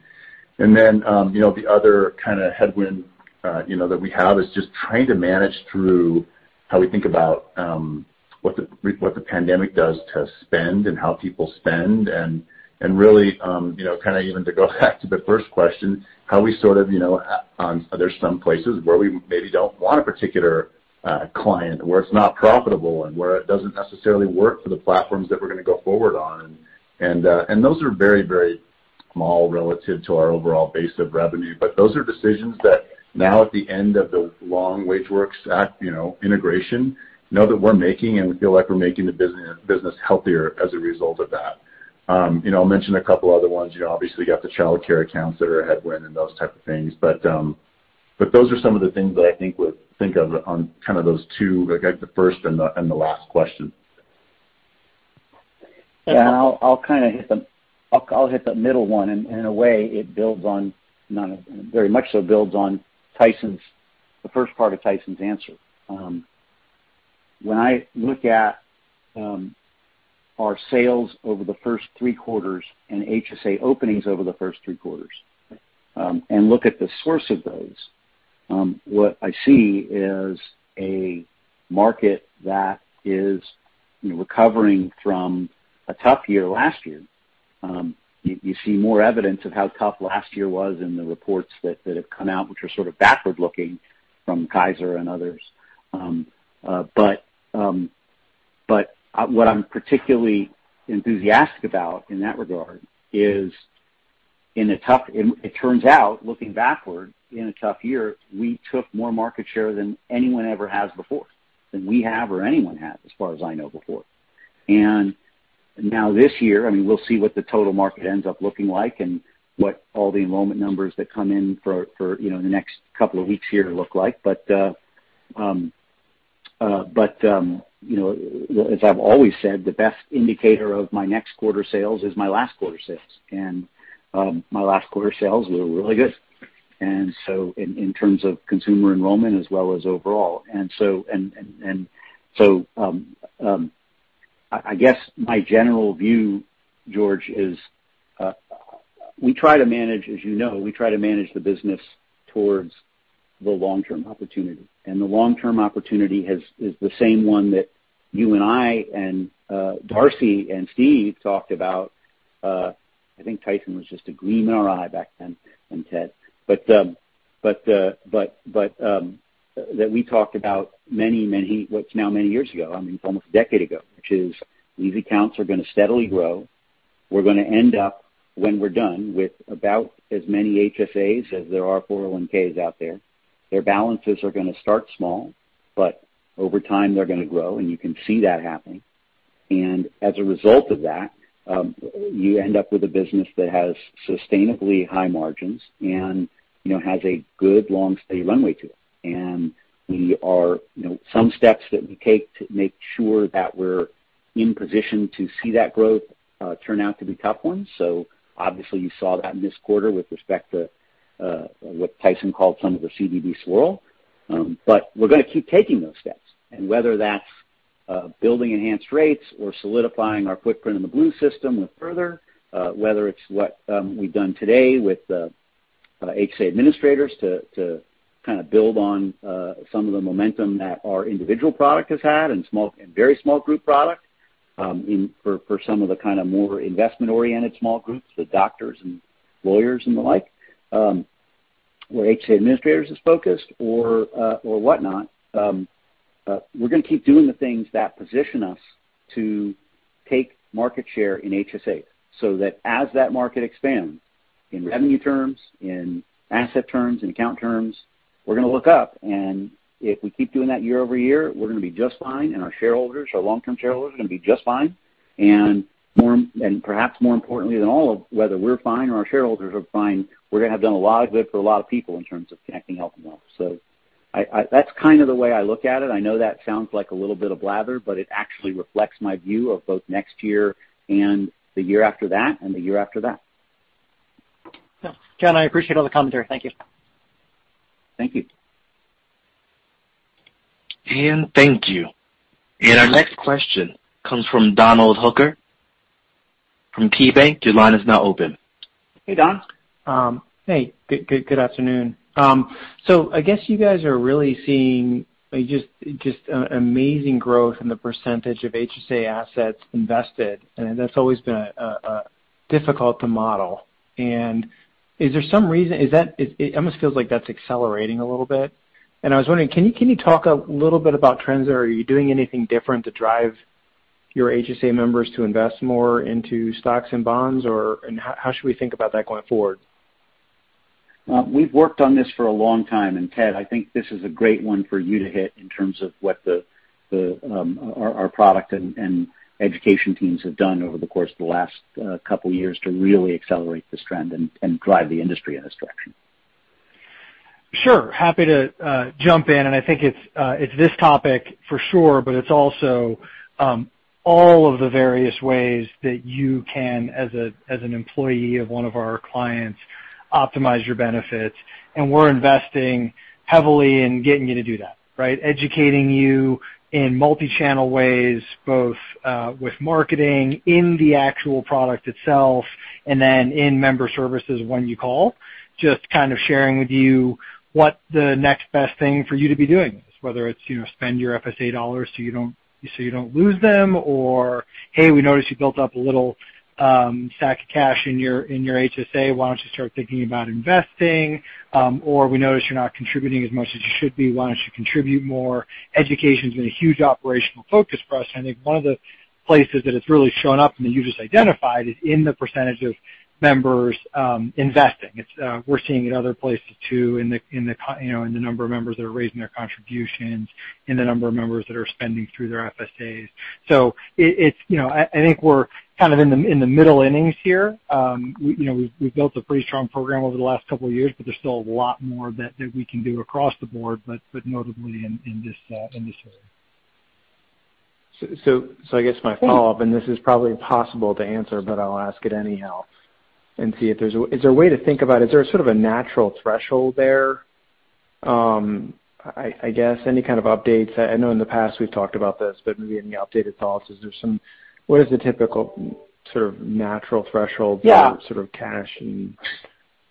Then, you know, the other kind of headwind, you know, that we have is just trying to manage through how we think about what the pandemic does to spending and how people spend and, really, you know, kind of even to go back to the first question, how we sort of, you know, are there some places where we maybe don't want a particular, client, where it's not profitable and where it doesn't necessarily work for the platforms that we're gonna go forward on. Those are very, very small relative to our overall base of revenue, but those are decisions that now at the end of the long WageWorks acquisition, you know, integration, you know that we're making and we feel like we're making the business healthier as a result of that. You know, I'll mention a couple other ones. You obviously got the childcare accounts that are a headwind and those type of things. Those are some of the things that I think would think of on kind of those two, like the first and the last question. Yeah. I'll kinda hit the middle one in a way it builds on Tyson's, the first part of Tyson's answer. When I look at our sales over the first three quarters and HSA openings over the first three quarters, and look at the source of those, what I see is a market that is, you know, recovering from a tough year last year. You see more evidence of how tough last year was in the reports that have come out, which are sort of backward-looking from Kaiser and others. What I'm particularly enthusiastic about in that regard is in a tough. It turns out, looking backward, in a tough year, we took more market share than anyone ever has before, than we have or anyone has as far as I know before. Now this year, I mean, we'll see what the total market ends up looking like and what all the enrollment numbers that come in you know, in the next couple of weeks here look like. You know, as I've always said, the best indicator of my next quarter sales is my last quarter sales. My last quarter sales were really good. In terms of consumer enrollment as well as overall, I guess my general view, George, is we try to manage, as you know, we try to manage the business towards the long-term opportunity. The long-term opportunity is the same one that you and I and Darcy and Steve talked about. I think Tyson was just a gleam in our eye back then, and Ted that we talked about many years ago, I mean, almost a decade ago, which is these accounts are gonna steadily grow. We're gonna end up, when we're done, with about as many HSAs as there are 401Ks out there. Their balances are gonna start small, but over time, they're gonna grow, and you can see that happening. As a result of that, you end up with a business that has sustainably high margins and, you know, has a good long runway to it. We are, you know, some steps that we take to make sure that we're in position to see that growth turn out to be tough ones. Obviously you saw that in this quarter with respect to what Tyson called some of the CDB swirl. We're gonna keep taking those steps and whether that's building enhanced rates or solidifying our footprint in the Blues system with Further, whether it's what we've done today with the Health Savings Administrators to kinda build on some of the momentum that our individual product has had and small and very small group product, for some of the kinda more investment-oriented small groups, the doctors and lawyers and the like, where Health Savings Administrators is focused or whatnot. We're gonna keep doing the things that position us to take market share in HSA so that as that market expands in revenue terms, in asset terms, in account terms. We're gonna look up, and if we keep doing that year over year, we're gonna be just fine, and our shareholders, our long-term shareholders, are gonna be just fine. More, and perhaps more importantly than all of whether we're fine or our shareholders are fine, we're gonna have done a lot of good for a lot of people in terms of connecting health and wealth. I, that's kind of the way I look at it. I know that sounds like a little bit of blather, but it actually reflects my view of both next year and the year after that and the year after that. Jon, I appreciate all the commentary. Thank you. Thank you. Thank you. Our next question comes from Donald Hooker from KeyBanc. Your line is now open. Hey, Don. Hey, good afternoon. I guess you guys are really seeing just amazing growth in the percentage of HSA assets invested, and that's always been difficult to model. Is there some reason? It almost feels like that's accelerating a little bit. I was wondering, can you talk a little bit about trends? Are you doing anything different to drive your HSA members to invest more into stocks and bonds, or how should we think about that going forward? Well, we've worked on this for a long time. Ted, I think this is a great one for you to hit in terms of what our product and education teams have done over the course of the last couple years to really accelerate this trend and drive the industry in this direction. Sure. Happy to jump in. I think it's this topic for sure, but it's also all of the various ways that you can, as an employee of one of our clients, optimize your benefits, and we're investing heavily in getting you to do that, right? Educating you in multi-channel ways, both with marketing in the actual product itself and then in member services when you call, just kind of sharing with you what the next best thing for you to be doing is, whether it's spend your FSA dollars so you don't lose them, or, "Hey, we noticed you built up a little stack of cash in your HSA. Why don't you start thinking about investing?" Or, "We noticed you're not contributing as much as you should be. Why don't you contribute more?" Education's been a huge operational focus for us. I think one of the places that it's really shown up, and that you just identified, is in the percentage of members investing. We're seeing it other places too, you know, in the number of members that are raising their contributions, in the number of members that are spending through their FSAs. You know, I think we're kind of in the middle innings here. You know, we've built a pretty strong program over the last couple of years, but there's still a lot more that we can do across the board, but notably in this area. I guess my follow-up, and this is probably impossible to answer, but I'll ask it anyhow and see if there's a way to think about it. Is there sort of a natural threshold there? I guess any kind of updates? I know in the past we've talked about this, but maybe any updated thoughts. What is the typical sort of natural threshold? Yeah. For sort of cash and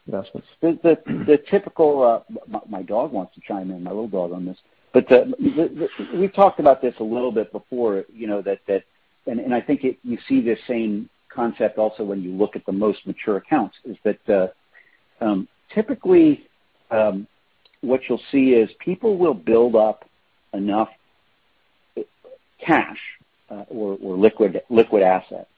investments? The typical. My dog wants to chime in, my little dog on this. But the. We've talked about this a little bit before, you know, that. I think you see the same concept also when you look at the most mature accounts, is that, typically, what you'll see is people will build up enough cash, or liquid asset,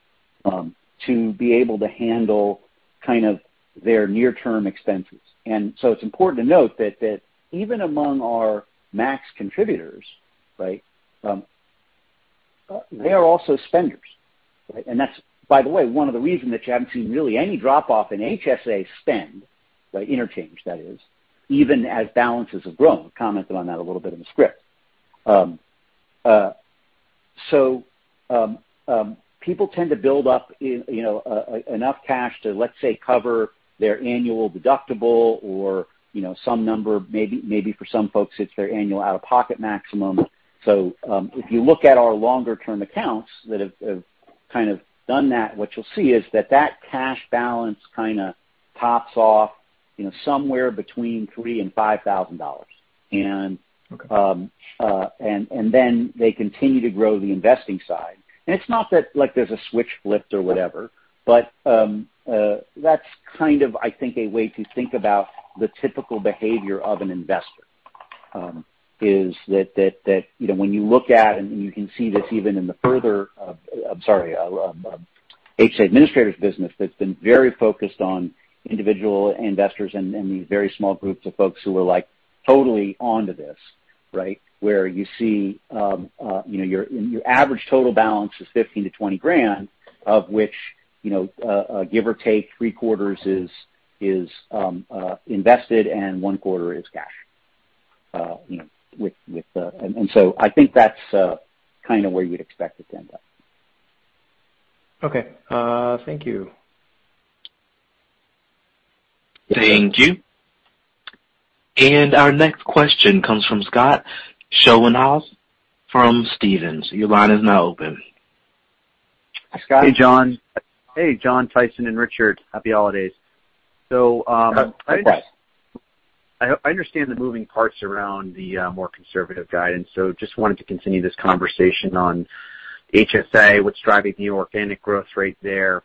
to be able to handle kind of their near-term expenses. It's important to note that, even among our max contributors, right, they are also spenders, right? And that's, by the way, one of the reason that you haven't seen really any drop off in HSA spend, right, interchange that is, even as balances have grown. Commented on that a little bit in the script. People tend to build up, you know, enough cash to, let's say, cover their annual deductible or, you know, some number, maybe for some folks, it's their annual out-of-pocket maximum. If you look at our longer term accounts that have kind of done that, what you'll see is that cash balance kinda tops off, you know, somewhere between $3,000 and $5,000. Okay. They continue to grow the investing side. It's not that like there's a switch flipped or whatever, but that's kind of, I think, a way to think about the typical behavior of an investor is that you know when you look at and you can see this even in the HSA Administrators business that's been very focused on individual investors and these very small groups of folks who are like totally onto this, right? Where you see you know your average total balance is $15,000-$20,000, of which give or take three quarters is invested and one quarter is cash. I think that's kinda where you'd expect it to end up. Okay. Thank you. Thank you. Our next question comes from Scott Schoenhaus from Stephens. Your line is now open. Hi, Scott. Hey, Jon. Hey, Jon, Tyson, and Richard. Happy holidays. Happy holidays. I understand the moving parts around the more conservative guidance, so just wanted to continue this conversation on HSA, what's driving the organic growth rate there.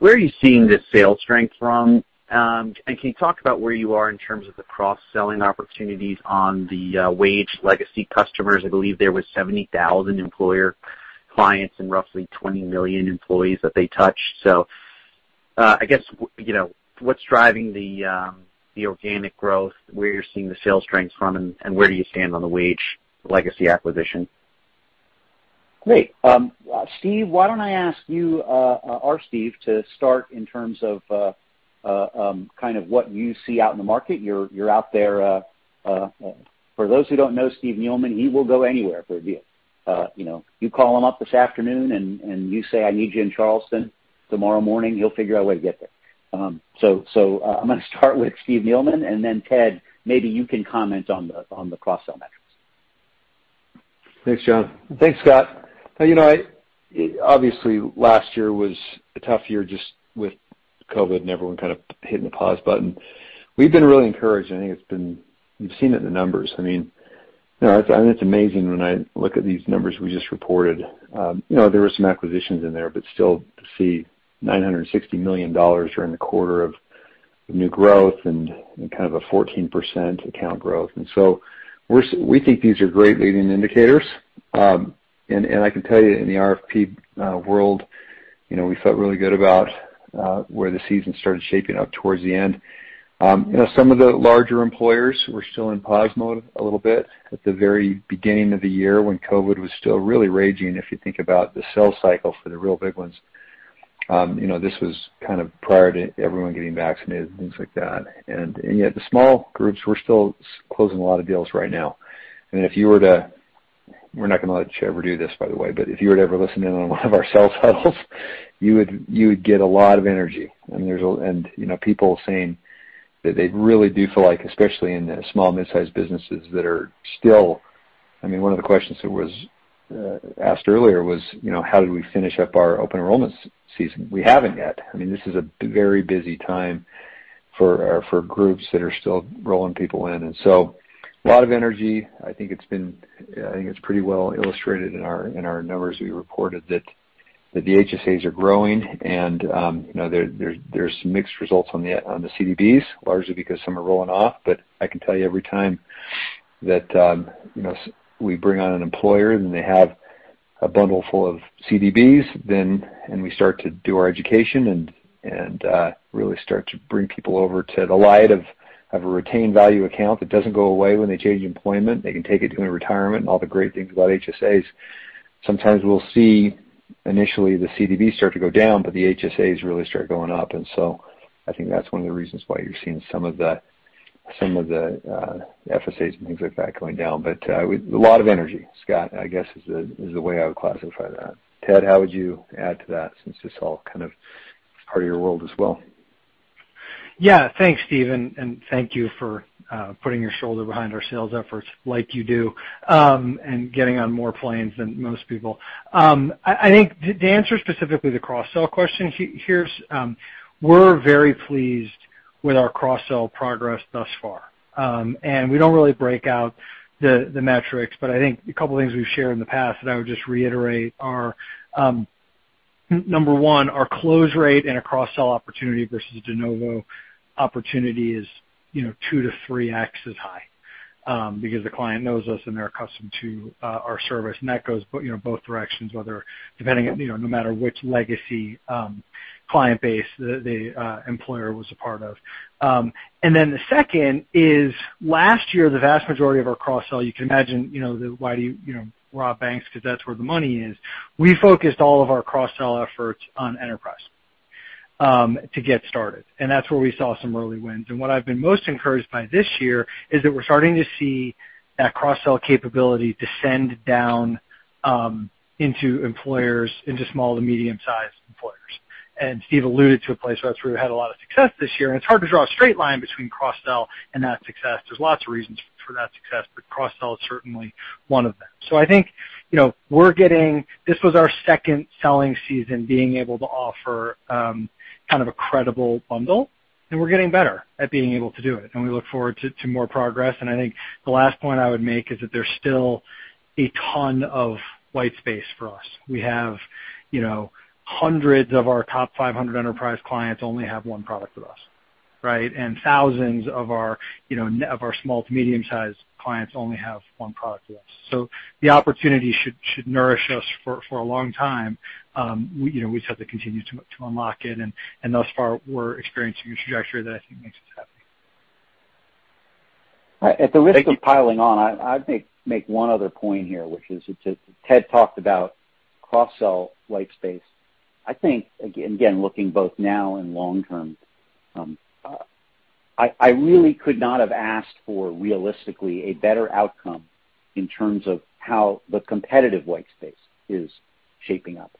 Where are you seeing the sales strength from? And can you talk about where you are in terms of the cross-selling opportunities on the WageWorks legacy customers? I believe there was 70,000 employer clients and roughly 20 million employees that they touch. I guess, you know, what's driving the organic growth, where you're seeing the sales strengths from and where do you stand on the WageWorks legacy acquisition? Great. Steve, why don't I ask you, our Steve, to start in terms of kind of what you see out in the market. You're out there. For those who don't know Steve Neeleman, he will go anywhere for a deal. You know, you call him up this afternoon and you say, "I need you in Charleston tomorrow morning," he'll figure out a way to get there. So, I'm gonna start with Steve Neeleman, and then Ted, maybe you can comment on the cross-sell metrics. Thanks, Jon. Thanks, Scott. You know, obviously, last year was a tough year just with COVID and everyone kind of hitting the pause button. We've been really encouraged, and I think it's been. You've seen it in the numbers. I mean, you know, I think it's amazing when I look at these numbers we just reported. There were some acquisitions in there, but still to see $960 million during the quarter of new growth and kind of a 14% account growth. We think these are great leading indicators. I can tell you in the RFP world, you know, we felt really good about where the season started shaping up towards the end. You know, some of the larger employers were still in pause mode a little bit at the very beginning of the year when COVID was still really raging, if you think about the sales cycle for the real big ones. You know, this was kind of prior to everyone getting vaccinated and things like that. Yet the small groups, we're still closing a lot of deals right now. We're not gonna let you ever do this, by the way, but if you were to ever listen in on one of our sales huddles, you would get a lot of energy. I mean, you know, people saying that they really do feel like, especially in the small mid-sized businesses that are still... I mean, one of the questions that was asked earlier was, you know, how did we finish up our open enrollment season? We haven't yet. I mean, this is a very busy time for our groups that are still rolling people in, so a lot of energy. I think it's pretty well illustrated in our numbers. We reported that the HSAs are growing and, you know, there's some mixed results on the CDBs, largely because some are rolling off. I can tell you every time that we bring on an employer and they have a bundle full of CDBs, then and we start to do our education and really start to bring people over to the light of a retained value account that doesn't go away when they change employment, they can take it into retirement and all the great things about HSAs. Sometimes we'll see initially the CDB start to go down, but the HSAs really start going up. I think that's one of the reasons why you're seeing some of the FSAs and things like that going down. A lot of energy, Scott, I guess is the way I would classify that. Ted, how would you add to that, since it's all kind of part of your world as well? Yeah. Thanks, Steve, and thank you for putting your shoulder behind our sales efforts like you do, and getting on more planes than most people. I think to answer specifically the cross-sell question, here's. We're very pleased with our cross-sell progress thus far. We don't really break out the metrics, but I think a couple things we've shared in the past that I would just reiterate are, number one, our close rate in a cross-sell opportunity versus a de novo opportunity is, you know, 2x-3x as high, because the client knows us and they're accustomed to our service. That goes you know, both directions, whether depending, you know, no matter which legacy client base the employer was a part of. The second is, last year, the vast majority of our cross-sell, you can imagine, you know, why do you know, rob banks because that's where the money is. We focused all of our cross-sell efforts on enterprise to get started, and that's where we saw some early wins. What I've been most encouraged by this year is that we're starting to see that cross-sell capability descend down into employers, into small to medium sized employers. Steve alluded to a place that's where we had a lot of success this year, and it's hard to draw a straight line between cross-sell and that success. There's lots of reasons for that success, but cross-sell is certainly one of them. I think, you know, we're getting... This was our second selling season, being able to offer kind of a credible bundle, and we're getting better at being able to do it, and we look forward to more progress. I think the last point I would make is that there's still a ton of white space for us. We have, you know, hundreds of our top 500 enterprise clients only have one product with us, right? Thousands of our, you know, small to medium sized clients only have one product with us. The opportunity should nourish us for a long time. We, you know, just have to continue to unlock it. Thus far, we're experiencing a trajectory that I think makes us happy. At the risk of piling on, I think make one other point here, which is that Ted talked about cross-sell white space. I think, again, looking both now and long-term, I really could not have asked for realistically a better outcome in terms of how the competitive white space is shaping up.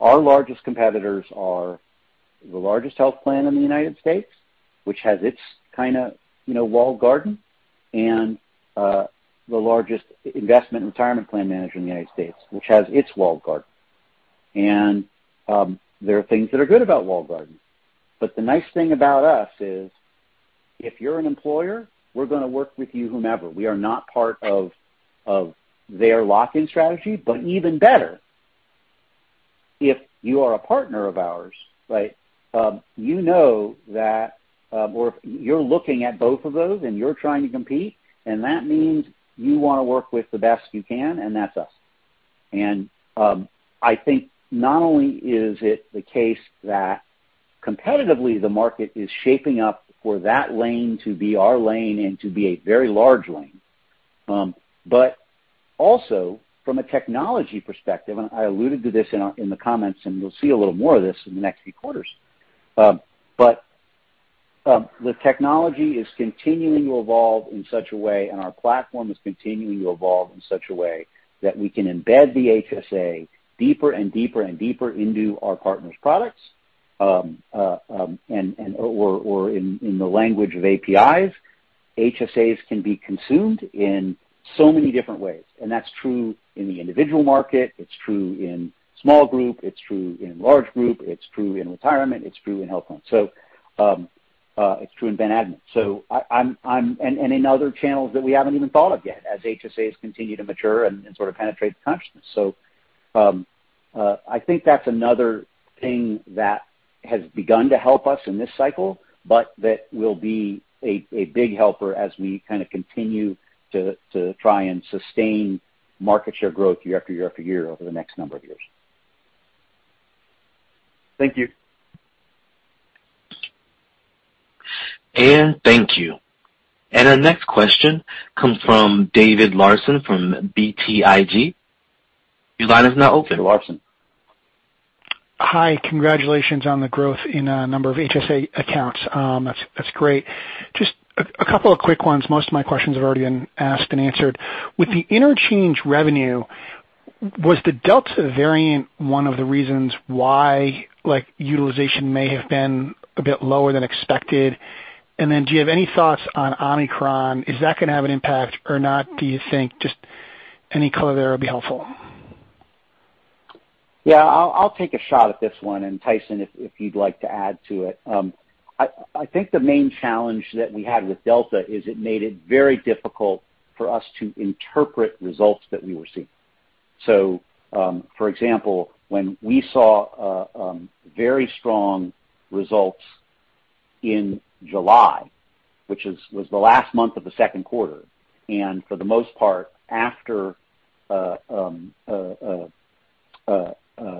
Our largest competitors are the largest health plan in the United States, which has its kinda, you know, walled garden, and the largest investment retirement plan manager in the United States, which has its walled garden. There are things that are good about walled gardens, but the nice thing about us is if you're an employer, we're gonna work with you, whomever. We are not part of their lock-in strategy. Even better, if you are a partner of ours, right, you know that, or if you're looking at both of those and you're trying to compete, and that means you wanna work with the best you can, and that's us. I think not only is it the case that competitively the market is shaping up for that lane to be our lane and to be a very large lane, but also from a technology perspective, and I alluded to this in our comments, and you'll see a little more of this in the next few quarters. The technology is continuing to evolve in such a way, and our platform is continuing to evolve in such a way that we can embed the HSA deeper and deeper and deeper into our partners' products. In the language of APIs, HSAs can be consumed in so many different ways. That's true in the individual market, it's true in small group, it's true in large group, it's true in retirement, it's true in health funds. It's true in Ben Admin. In other channels that we haven't even thought of yet, as HSAs continue to mature and sort of penetrate consciousness. I think that's another thing that has begun to help us in this cycle, but that will be a big helper as we kinda continue to try and sustain market share growth year after year over the next number of years. Thank you. Thank you. Our next question comes from David Larsen from BTIG. Your line is now open. Larsen. Hi. Congratulations on the growth in a number of HSA accounts. That's great. Just a couple of quick ones. Most of my questions have already been asked and answered. With the interchange revenue, was the Delta variant one of the reasons why, like, utilization may have been a bit lower than expected? And then do you have any thoughts on Omicron? Is that gonna have an impact or not, do you think? Just any color there would be helpful. Yeah. I'll take a shot at this one, and Tyson, if you'd like to add to it. I think the main challenge that we had with Delta is it made it very difficult for us to interpret results that we were seeing. For example, when we saw very strong results in July, which was the last month of the second quarter, and for the most part, after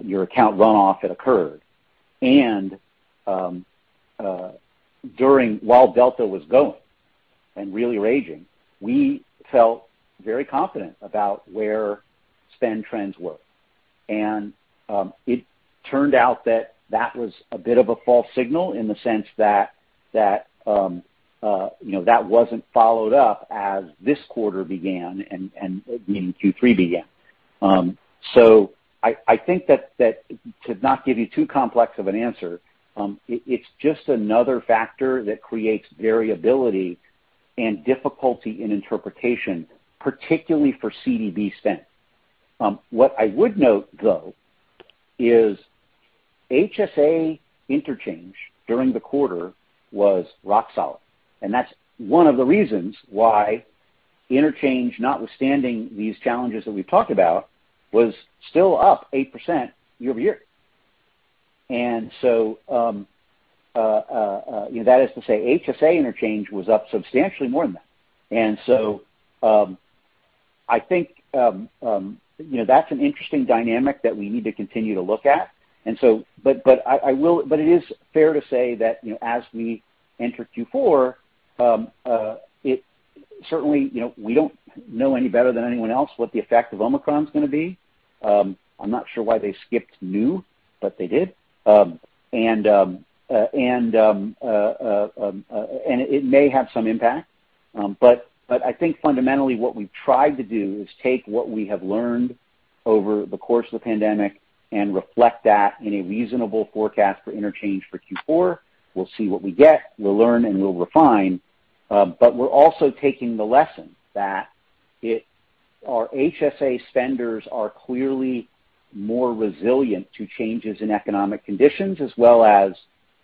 your account runoff had occurred, while Delta was going and really raging, we felt very confident about where spend trends were. It turned out that that was a bit of a false signal in the sense that you know, that wasn't followed up as this quarter began and meaning Q3 began. I think that to not give you too complex of an answer, it's just another factor that creates variability and difficulty in interpretation, particularly for CDB spend. What I would note, though, is HSA interchange during the quarter was rock solid, and that's one of the reasons why interchange, notwithstanding these challenges that we've talked about, was still up 8% year-over-year. You know, that is to say HSA interchange was up substantially more than that. I think you know, that's an interesting dynamic that we need to continue to look at. But I will. It is fair to say that, you know, as we enter Q4, it certainly, you know, we don't know any better than anyone else what the effect of Omicron is gonna be. I'm not sure why they skipped Nu, but they did. It may have some impact. I think fundamentally what we've tried to do is take what we have learned over the course of the pandemic and reflect that in a reasonable forecast for interchange for Q4. We'll see what we get. We'll learn, and we'll refine. We're also taking the lesson that our HSA spenders are clearly more resilient to changes in economic conditions as well as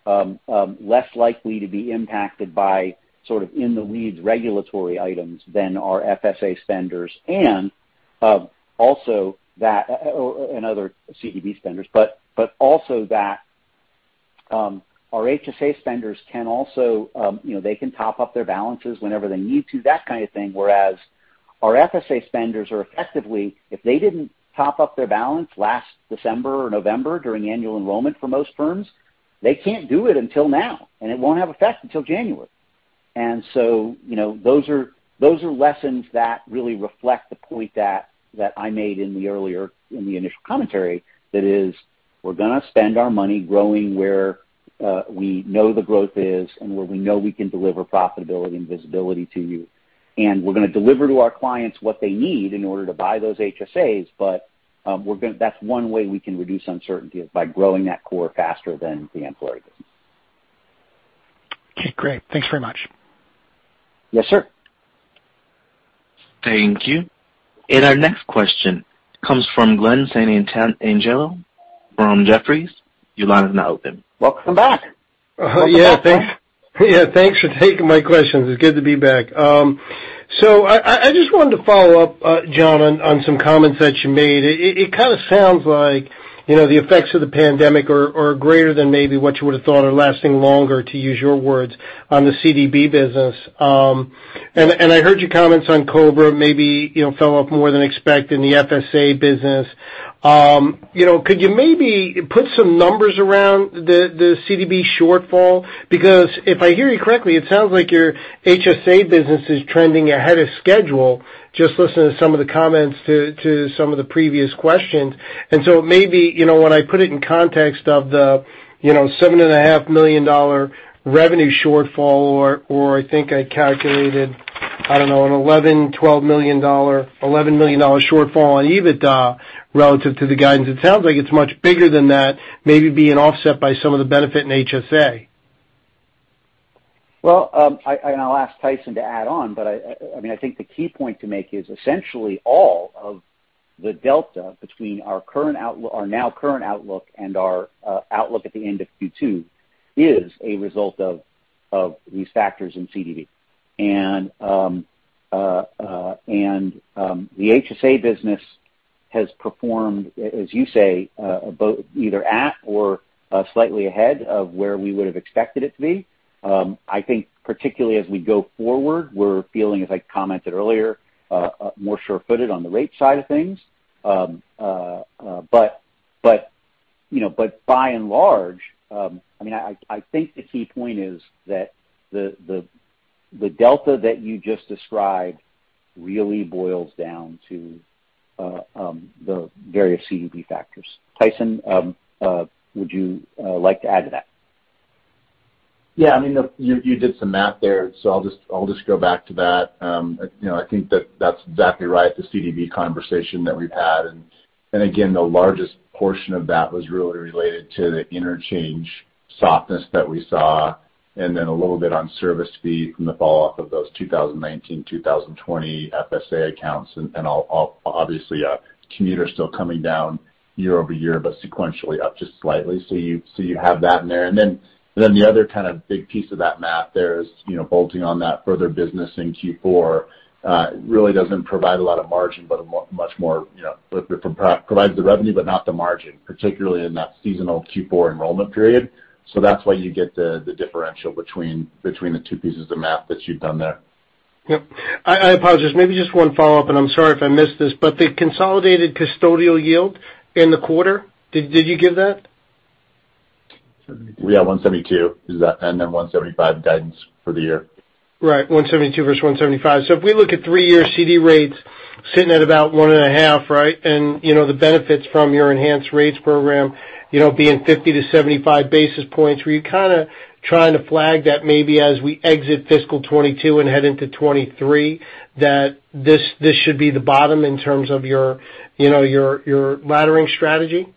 less likely to be impacted by sort of in the weeds regulatory items than our FSA spenders and other CDB spenders, but also that our HSA spenders can also you know they can top up their balances whenever they need to, that kind of thing. Whereas our FSA spenders are effectively, if they didn't top up their balance last December or November during annual enrollment for most firms, they can't do it until now, and it won't have effect until January. You know, those are lessons that really reflect the point that I made in the initial commentary. That is, we're gonna spend our money growing where we know the growth is and where we know we can deliver profitability and visibility to you. We're gonna deliver to our clients what they need in order to buy those HSAs. That's one way we can reduce uncertainty is by growing that core faster than the employer business. Okay, great. Thanks very much. Yes, sir. Thank you. Our next question comes from Glen Santangelo from Jefferies. Your line is now open. Welcome back. Yeah. Thanks. Welcome back, Glen. Yeah, thanks for taking my questions. It's good to be back. So I just wanted to follow up, Jon, on some comments that you made. It kind of sounds like, you know, the effects of the pandemic are greater than maybe what you would have thought are lasting longer, to use your words, on the CDB business. I heard your comments on COBRA maybe, you know, fell off more than expected in the FSA business. You know, could you maybe put some numbers around the CDB shortfall? Because if I hear you correctly, it sounds like your HSA business is trending ahead of schedule, just listening to some of the comments to some of the previous questions. Maybe, you know, when I put it in context of the, you know, $7.5 million revenue shortfall or I think I calculated, I don't know, an 11 million-12 million dollar—$11 million shortfall on EBITDA relative to the guidance. It sounds like it's much bigger than that, maybe being offset by some of the benefit in HSA. I'll ask Tyson to add on, but I mean, I think the key point to make is essentially all of the delta between our current our now current outlook and our outlook at the end of Q2 is a result of these factors in CDB. The HSA business has performed, as you say, about either at or slightly ahead of where we would've expected it to be. I think particularly as we go forward, we're feeling, as I commented earlier, more sure-footed on the rate side of things. But you know, by and large, I mean, I think the key point is that the delta that you just described really boils down to the various CDB factors. Tyson, would you like to add to that? Yeah. I mean, look, you did some math there, so I'll just go back to that. You know, I think that's exactly right, the CDB conversation that we've had. Again, the largest portion of that was really related to the interchange softness that we saw and then a little bit on service fee from the falloff of those 2019, 2020 FSA accounts. Obviously, commuter still coming down year-over-year, but sequentially up just slightly. You have that in there. The other kind of big piece of that math there is, you know, bolting on that Further business in Q4 really doesn't provide a lot of margin, but much more, you know, it provides the revenue but not the margin, particularly in that seasonal Q4 enrollment period. That's why you get the differential between the two pieces of math that you've done there. Yep. I apologize. Maybe just one follow-up, and I'm sorry if I missed this, but the consolidated custodial yield in the quarter, did you give that? We have $172, is that, and then $175 guidance for the year. Right. 172 versus 175. If we look at three-year CD rates sitting at about 1.5, right? You know, the benefits from your Enhanced Rates program, you know, being 50-75 basis points, were you kind of trying to flag that maybe as we exit fiscal 2022 and head into 2023, that this should be the bottom in terms of your, you know, your laddering strategy?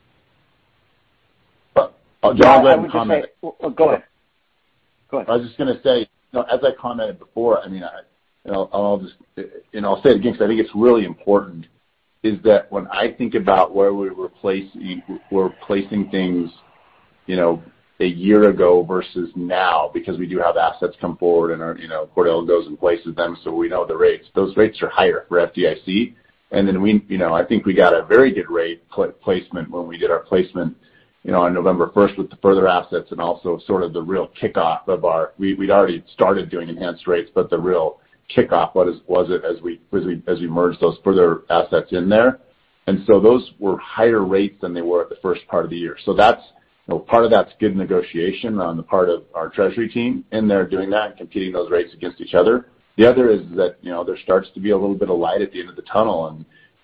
Well, Jon, let me comment. Yeah, I would just say. Go ahead. I was just gonna say, you know, as I commented before, I mean, I, you know, and I'll say it again because I think it's really important, is that when I think about where we're placing, we're placing things, you know, a year ago versus now because we do have assets come forward and our, you know, Cordell goes and places them, so we know the rates. Those rates are higher for FDIC. And then we, you know, I think we got a very good rate placement when we did our placement, you know, on November first with the Further assets and also sort of the real kickoff of our. We'd already started doing enhanced rates, but the real kickoff was as we merged those Further assets in there. Those were higher rates than they were at the first part of the year. That's, you know, part of that's good negotiation on the part of our treasury team in there doing that and competing those rates against each other. The other is that, you know, there starts to be a little bit of light at the end of the tunnel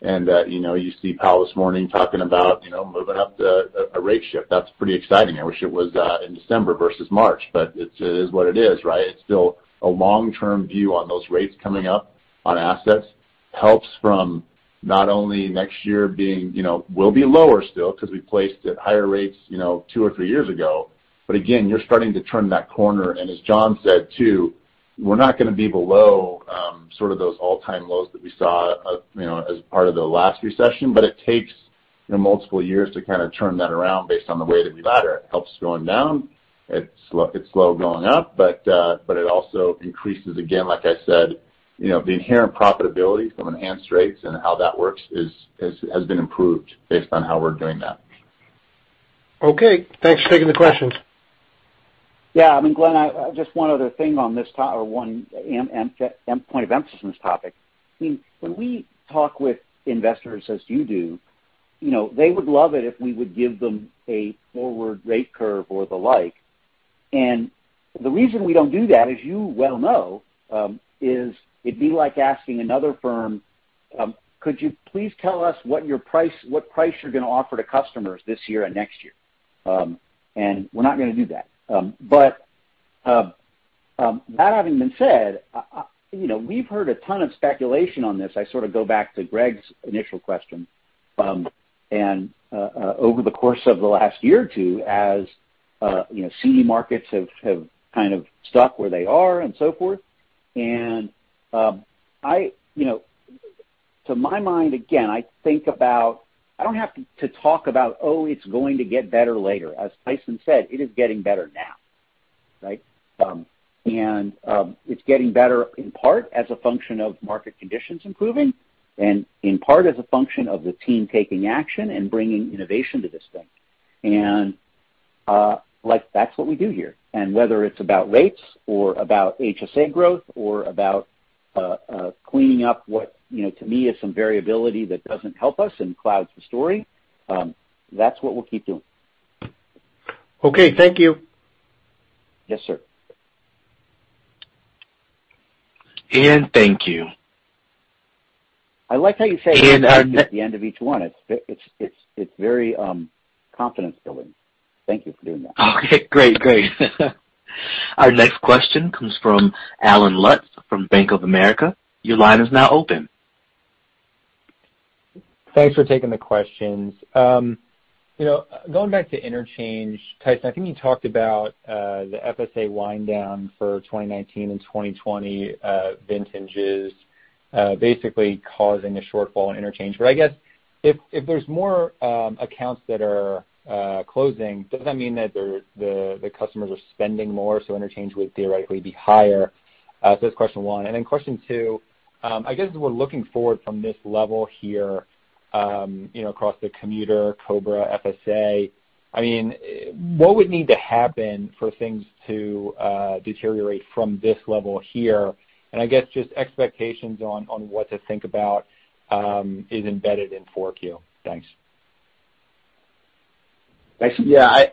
and that, you know, you see Powell this morning talking about, you know, moving up the a rate shift. That's pretty exciting. I wish it was in December versus March, but it's, it is what it is, right? It's still a long-term view on those rates coming up on assets. It helps from not only next year being, you know, will be lower still because we placed at higher rates, you know, two or three years ago. Again, you're starting to turn that corner. As Jon said, too, we're not gonna be below, sort of those all-time lows that we saw, you know, as part of the last recession. It takes, you know, multiple years to kind of turn that around based on the way that we ladder. It helps going down. It's slow going up. It also increases, again, like I said, you know, the inherent profitability from enhanced rates and how that works is has been improved based on how we're doing that. Okay. Thanks for taking the questions. Yeah. I mean, Glen, just one other thing on this or one point of emphasis on this topic. I mean, when we talk with investors as you do, you know, they would love it if we would give them a forward rate curve or the like. The reason we don't do that, as you well know, is it'd be like asking another firm, could you please tell us what price you're gonna offer to customers this year and next year? We're not gonna do that. That having been said, you know, we've heard a ton of speculation on this. I sort of go back to Greg's initial question, and over the course of the last year or two as, you know, CD markets have kind of stuck where they are and so forth. I, you know, to my mind, again, I think about I don't have to talk about, oh, it's going to get better later. As Tyson said, it is getting better now, right? It's getting better in part as a function of market conditions improving and in part as a function of the team taking action and bringing innovation to this thing. Like that's what we do here. Whether it's about rates or about HSA growth or about cleaning up what, you know, to me is some variability that doesn't help us and clouds the story, that's what we'll keep doing. Okay, thank you. Yes, sir. Thank you. I like how you say. And our ne- That at the end of each one. It's very confidence-building. Thank you for doing that. Okay, great. Our next question comes from Allen Lutz from Bank of America. Your line is now open. Thanks for taking the questions. You know, going back to interchange, Tyson, I think you talked about the FSA wind down for 2019 and 2020 vintages basically causing a shortfall in interchange. I guess if there's more accounts that are closing, does that mean that the customers are spending more, so interchange would theoretically be higher? That's question one. Question two, I guess, as we're looking forward from this level here, you know, across the commuter COBRA FSA, I mean, what would need to happen for things to deteriorate from this level here? I guess just expectations on what to think about is embedded in 4Q. Thanks. Thanks. Yeah.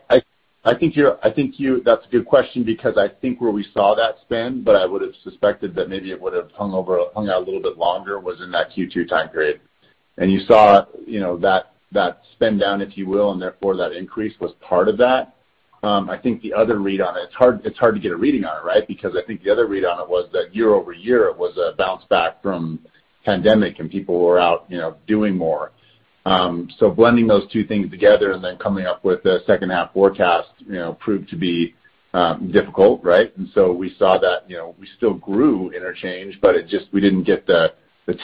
That's a good question because I think where we saw that spend, but I would've suspected that maybe it would've hung out a little bit longer was in that Q2 time period. You saw that spend down, if you will, and therefore that increase was part of that. I think the other read on it. It's hard to get a reading on it, right? Because I think the other read on it was that year-over-year, it was a bounce back from pandemic and people were out, you know, doing more. Blending those two things together and then coming up with a second half forecast, you know, proved to be difficult, right? We saw that, you know, we still grew interchange, but it just, we didn't get the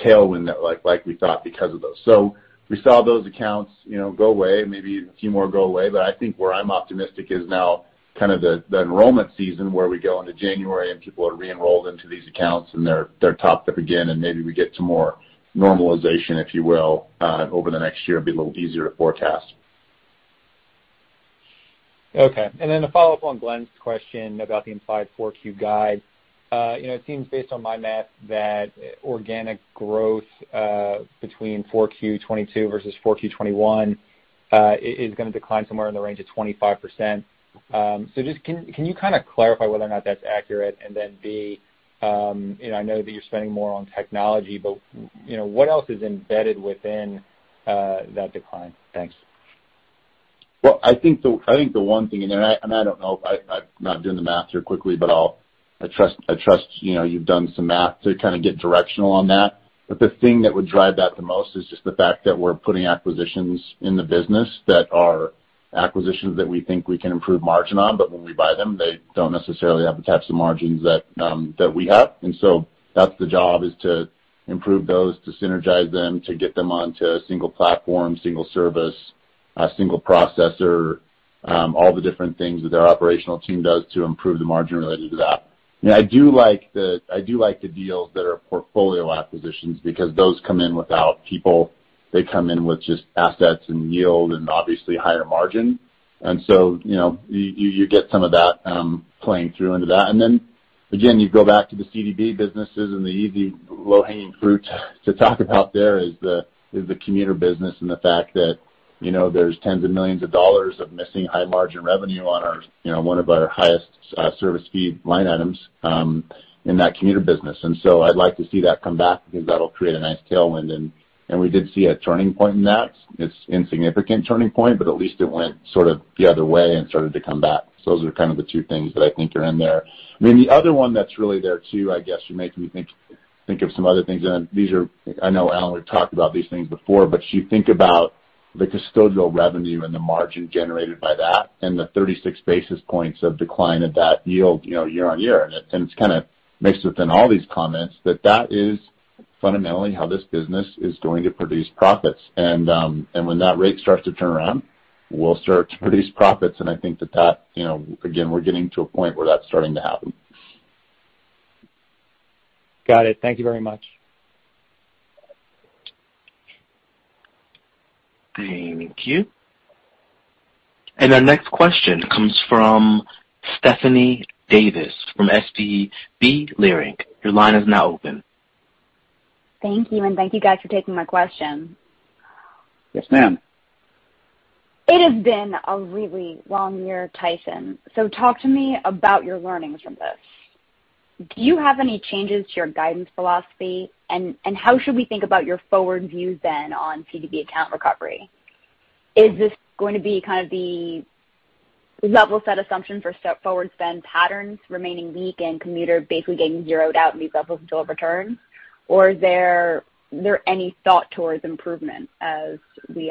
tailwind that like we thought because of those. We saw those accounts, you know, go away and maybe a few more go away. I think where I'm optimistic is now kind of the enrollment season where we go into January and people are re-enrolled into these accounts and they're topped up again and maybe we get to more normalization, if you will, over the next year. It'd be a little easier to forecast. Okay. To follow up on Glen's question about the implied Q4 guide. You know, it seems based on my math that organic growth between Q4 2022 versus Q4 2021 is gonna decline somewhere in the range of 25%. Can you kinda clarify whether or not that's accurate? And then B, and I know that you're spending more on technology, but you know, what else is embedded within that decline? Thanks. Well, I think the one thing in there, and I don't know, I'm not doing the math here quickly, but I trust, you know, you've done some math to kinda get directional on that. But the thing that would drive that the most is just the fact that we're putting acquisitions in the business that are acquisitions that we think we can improve margin on, but when we buy them, they don't necessarily have the types of margins that we have. That's the job, is to improve those, to synergize them, to get them onto a single platform, single service, a single processor, all the different things that our operational team does to improve the margin related to that. I do like the deals that are portfolio acquisitions because those come in without people. They come in with just assets and yield and obviously higher margin. You get some of that playing through into that. You go back to the CDB businesses and the easy low-hanging fruit to talk about there is the commuter business and the fact that there's tens of millions of dollars of missing high margin revenue on our one of our highest service fee line items in that commuter business. I'd like to see that come back because that'll create a nice tailwind. We did see a turning point in that. It's an insignificant turning point, but at least it went sort of the other way and started to come back. Those are kind of the two things that I think are in there. I mean, the other one that's really there too, I guess, you're making me think of some other things. These are, I know, Allen, we've talked about these things before, but you think about the custodial revenue and the margin generated by that and the 36 basis points of decline at that yield, you know, year-over-year. It's kinda mixed within all these comments, but that is fundamentally how this business is going to produce profits. When that rate starts to turn around, we'll start to produce profits. I think that, you know, again, we're getting to a point where that's starting to happen. Got it. Thank you very much. Thank you. Our next question comes from Stephanie Davis from SVB Leerink. Your line is now open. Thank you. Thank you guys for taking my question. Yes, ma'am. It has been a really long year, Tyson. Talk to me about your learnings from this. Do you have any changes to your guidance philosophy? How should we think about your forward views then on CDB account recovery? Is this going to be kind of the level set assumption for step forward spend patterns remaining weak and commuter basically getting zeroed out and these levels until return? Is there any thought towards improvement as we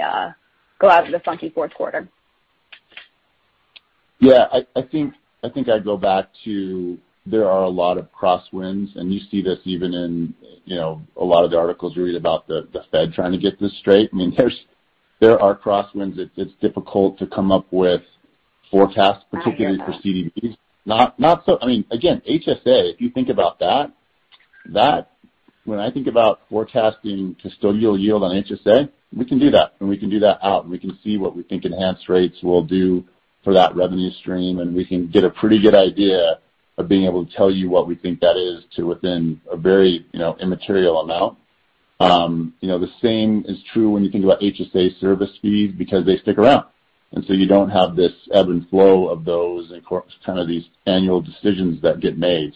go out to the funky fourth quarter? Yeah. I think I'd go back to there are a lot of crosswinds, and you see this even in, you know, a lot of the articles you read about the Fed trying to get this straight. I mean, there are crosswinds. It's difficult to come up with forecasts. I agree with that. Particularly for CDBs. Not so. I mean, again, HSA, if you think about that. When I think about forecasting custodial yield on HSA, we can do that, and we can do that out, and we can see what we think enhanced rates will do for that revenue stream, and we can get a pretty good idea of being able to tell you what we think that is to within a very, you know, immaterial amount. You know, the same is true when you think about HSA service fees because they stick around. You don't have this ebb and flow of those and kind of these annual decisions that get made.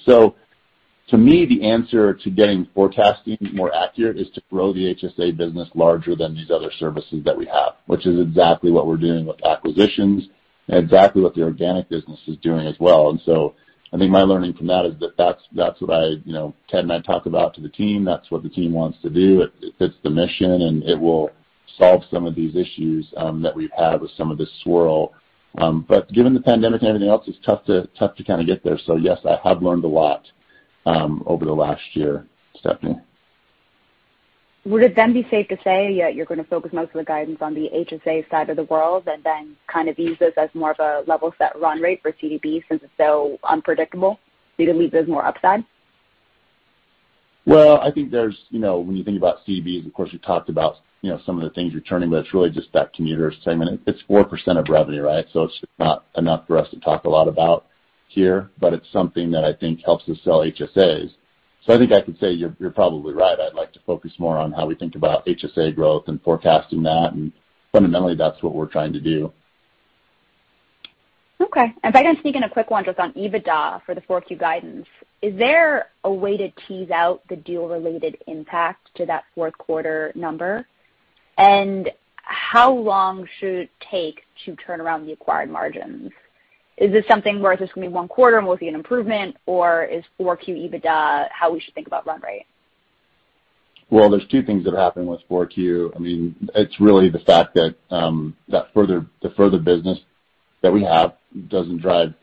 To me, the answer to getting forecasting more accurate is to grow the HSA business larger than these other services that we have, which is exactly what we're doing with acquisitions and exactly what the organic business is doing as well. I think my learning from that is that that's what I, you know, Ted and I talk about to the team. That's what the team wants to do. It fits the mission, and it will solve some of these issues that we've had with some of this swirl. Given the pandemic and everything else, it's tough to kind of get there. Yes, I have learned a lot over the last year, Stephanie. Would it then be safe to say that you're going to focus most of the guidance on the HSA side of the world and then kind of use this as more of a level set run rate for CDB since it's so unpredictable, so you can leave those more upside? Well, I think there's, you know, when you think about CDBs, of course, you talked about, you know, some of the things you're turning, but it's really just that commuter segment. It's 4% of revenue, right? So it's just not enough for us to talk a lot about here. It's something that I think helps us sell HSAs. I think I could say you're probably right. I'd like to focus more on how we think about HSA growth and forecasting that. Fundamentally, that's what we're trying to do. Okay. If I can sneak in a quick one just on EBITDA for the 4Q guidance. Is there a way to tease out the deal-related impact to that fourth quarter number? And how long should it take to turn around the acquired margins? Is this something where it's just going to be one quarter and we'll see an improvement or is 4Q EBITDA how we should think about run rate? Well, there's two things that are happening with Q4. I mean, it's really the fact that the Further business that we have doesn't drive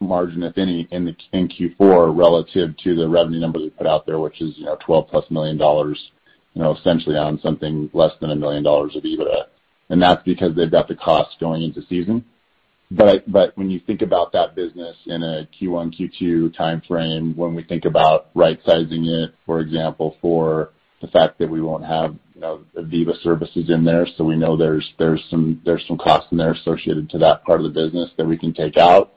margin, if any, in Q4 relative to the revenue number we put out there, which is, you know, $12+ million, you know, essentially on something less than $1 million of EBITDA. That's because they've got the cost going into season. When you think about that business in a Q1, Q2 timeframe, when we think about right sizing it, for example, for the fact that we won't have, you know, Aviva services in there. We know there's some cost in there associated to that part of the business that we can take out.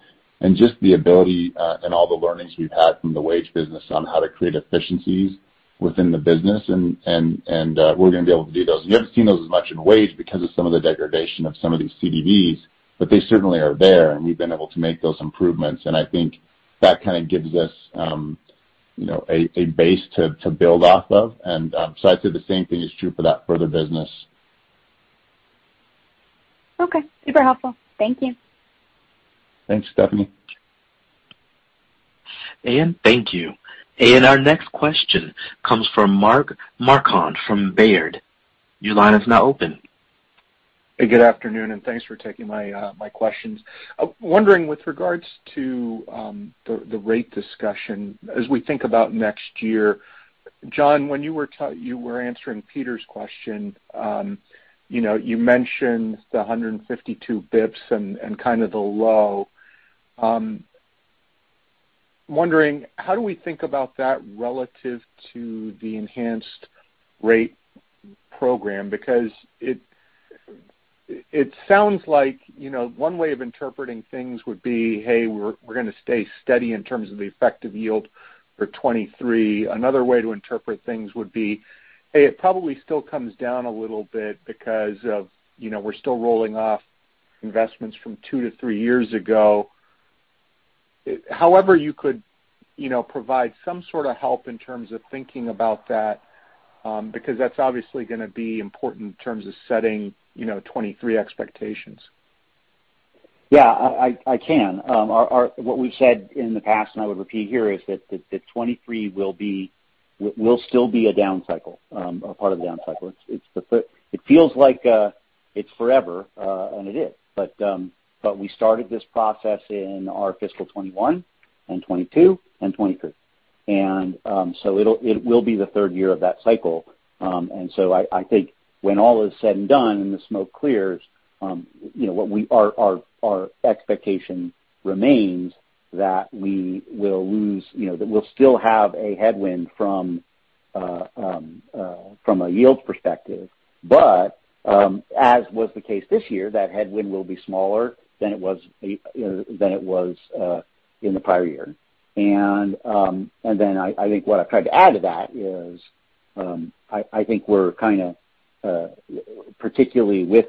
Just the ability, and all the learnings we've had from the WageWorks business on how to create efficiencies within the business and we're going to be able to do those. You haven't seen those as much in WageWorks because of some of the degradation of some of these CDBs, but they certainly are there, and we've been able to make those improvements. I think that kind of gives us, you know, a base to build off of. I'd say the same thing is true for that Further business. Okay. Super helpful. Thank you. Thanks, Stephanie. Thank you. Our next question comes from Mark Marcon from Baird. Your line is now open. Hey, good afternoon, and thanks for taking my questions. I'm wondering with regards to the rate discussion as we think about next year. Jon, when you were answering Peters' question, you know, you mentioned the 152 basis points and kind of the low. Wondering how do we think about that relative to the enhanced rate program? Because it sounds like, you know, one way of interpreting things would be, hey, we're gonna stay steady in terms of the effective yield for 2023. Another way to interpret things would be, hey, it probably still comes down a little bit because of, you know, we're still rolling off investments from two to three years ago. However you could, you know, provide some sort of help in terms of thinking about that, because that's obviously gonna be important in terms of setting, you know, 2023 expectations. Yeah. I can. What we've said in the past, and I would repeat here, is that 2023 will still be a down cycle, or part of the down cycle. It feels like it's forever, and it is. We started this process in our fiscal 2021 and 2022 and 2023. It will be the third year of that cycle. I think when all is said and done and the smoke clears, you know, our expectation remains that we will lose, you know, that we'll still have a headwind from a yield perspective. As was the case this year, that headwind will be smaller than it was, you know, in the prior year. Then I think what I've tried to add to that is, I think we're kind of particularly with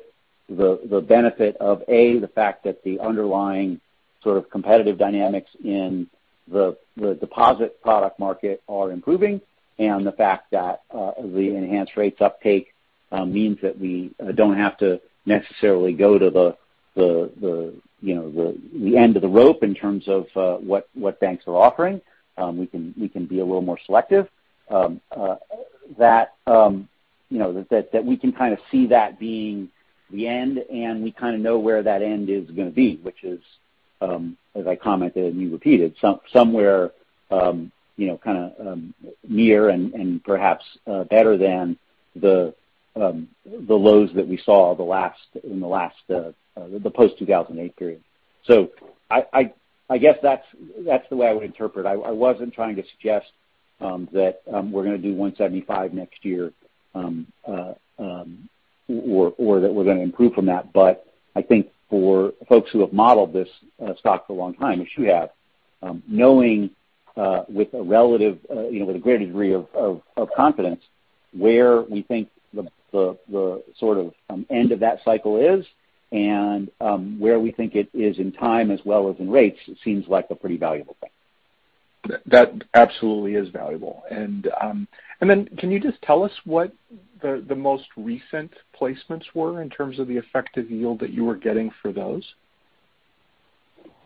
the benefit of a, the fact that the underlying sort of competitive dynamics in the deposit product market are improving and the fact that the enhanced rates uptake means that we don't have to necessarily go to the end of the rope in terms of what banks are offering. We can be a little more selective. That you know we can kind of see that being the end, and we kind of know where that end is gonna be, which is, as I commented and you repeated, somewhere you know kind of near and perhaps better than the lows that we saw in the last post-2008 period. I guess that's the way I would interpret. I wasn't trying to suggest that we're gonna do 175 next year or that we're gonna improve from that. I think for folks who have modeled this stock for a long time, as you have, knowing with a relatively, you know, with a great degree of confidence where we think the sort of end of that cycle is and where we think it is in time as well as in rates, it seems like a pretty valuable thing. That absolutely is valuable. Then can you just tell us what the most recent placements were in terms of the effective yield that you were getting for those?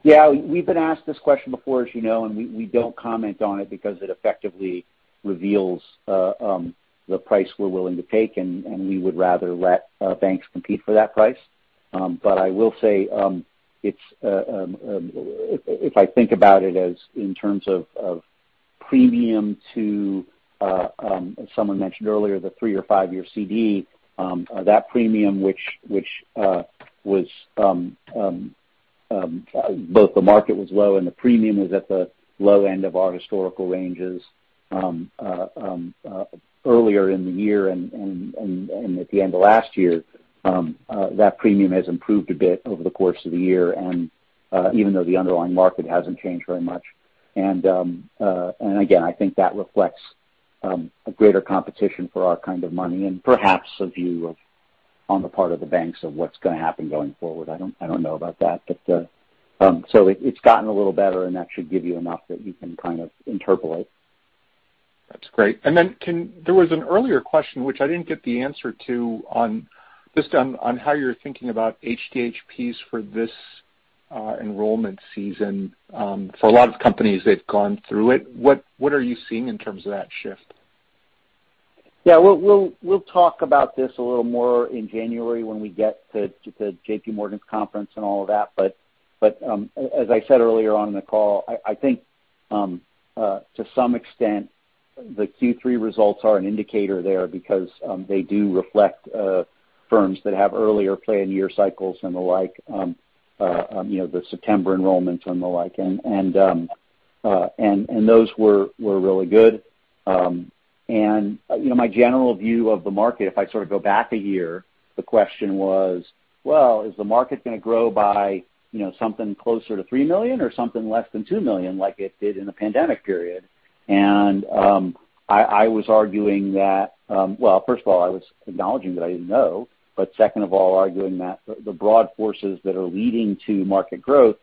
Yeah. We've been asked this question before, as you know, and we don't comment on it because it effectively reveals the price we're willing to take, and we would rather let banks compete for that price. I will say, it's if I think about it as in terms of premium to, as someone mentioned earlier, the three- or five-year CD, that premium, which was both the market was low and the premium was at the low end of our historical ranges, earlier in the year and at the end of last year. That premium has improved a bit over the course of the year, and even though the underlying market hasn't changed very much. Again, I think that reflects a greater competition for our kind of money and perhaps a view on the part of the banks of what's gonna happen going forward. I don't know about that. It's gotten a little better, and that should give you enough that you can kind of interpolate. That's great. Then there was an earlier question which I didn't get the answer to on, just on how you're thinking about HDHPs for this enrollment season, for a lot of companies that have gone through it. What are you seeing in terms of that shift? Yeah. We'll talk about this a little more in January when we get to JPMorgan's conference and all of that. As I said earlier on in the call, I think to some extent the Q3 results are an indicator there because they do reflect firms that have earlier plan year cycles and the like, you know, the September enrollments and the like. Those were really good. You know, my general view of the market, if I sort of go back a year, the question was, well, is the market gonna grow by, you know, something closer to three million or something less than two million like it did in the pandemic period? I was arguing that, well, first of all, I was acknowledging that I didn't know, but second of all, arguing that the broad forces that are leading to market growth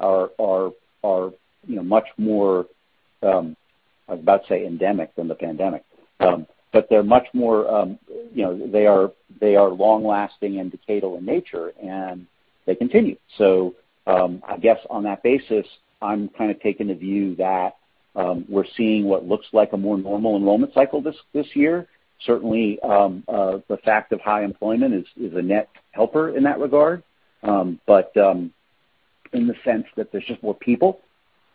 are, you know, much more, I was about to say endemic than the pandemic. But they're much more, you know, they are long-lasting and decadal in nature, and they continue. I guess on that basis, I'm kind of taking the view that we're seeing what looks like a more normal enrollment cycle this year. Certainly, the fact of high employment is a net helper in that regard. But in the sense that there's just more people,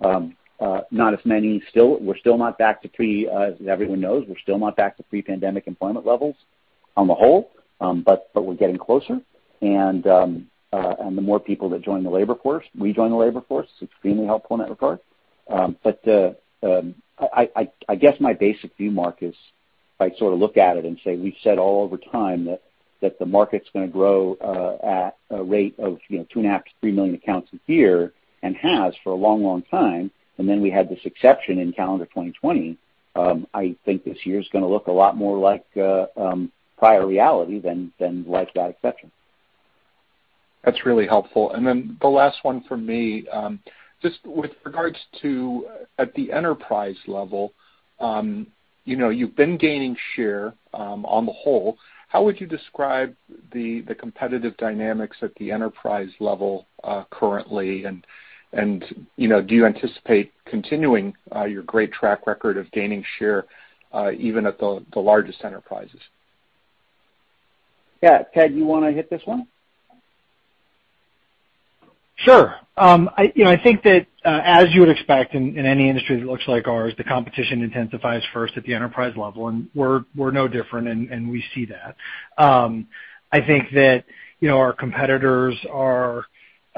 not as many still. We're still not back to pre-pandemic employment levels on the whole, but we're getting closer. The more people that join the labor force, rejoin the labor force, it's extremely helpful in that regard. I guess my basic view, Mark, is if I sort of look at it and say, we've said all over time that the market's gonna grow at a rate of, you know, 2.5-3 million accounts a year and has for a long time, and then we had this exception in calendar 2020. I think this year is gonna look a lot more like prior reality than like that exception. That's really helpful. Then the last one for me, just with regards to at the enterprise level, you know, you've been gaining share, on the whole. How would you describe the competitive dynamics at the enterprise level, currently? You know, do you anticipate continuing your great track record of gaining share, even at the largest enterprises? Yeah. Ted, you wanna hit this one? Sure. You know, I think that as you would expect in any industry that looks like ours, the competition intensifies first at the enterprise level, and we're no different, and we see that. You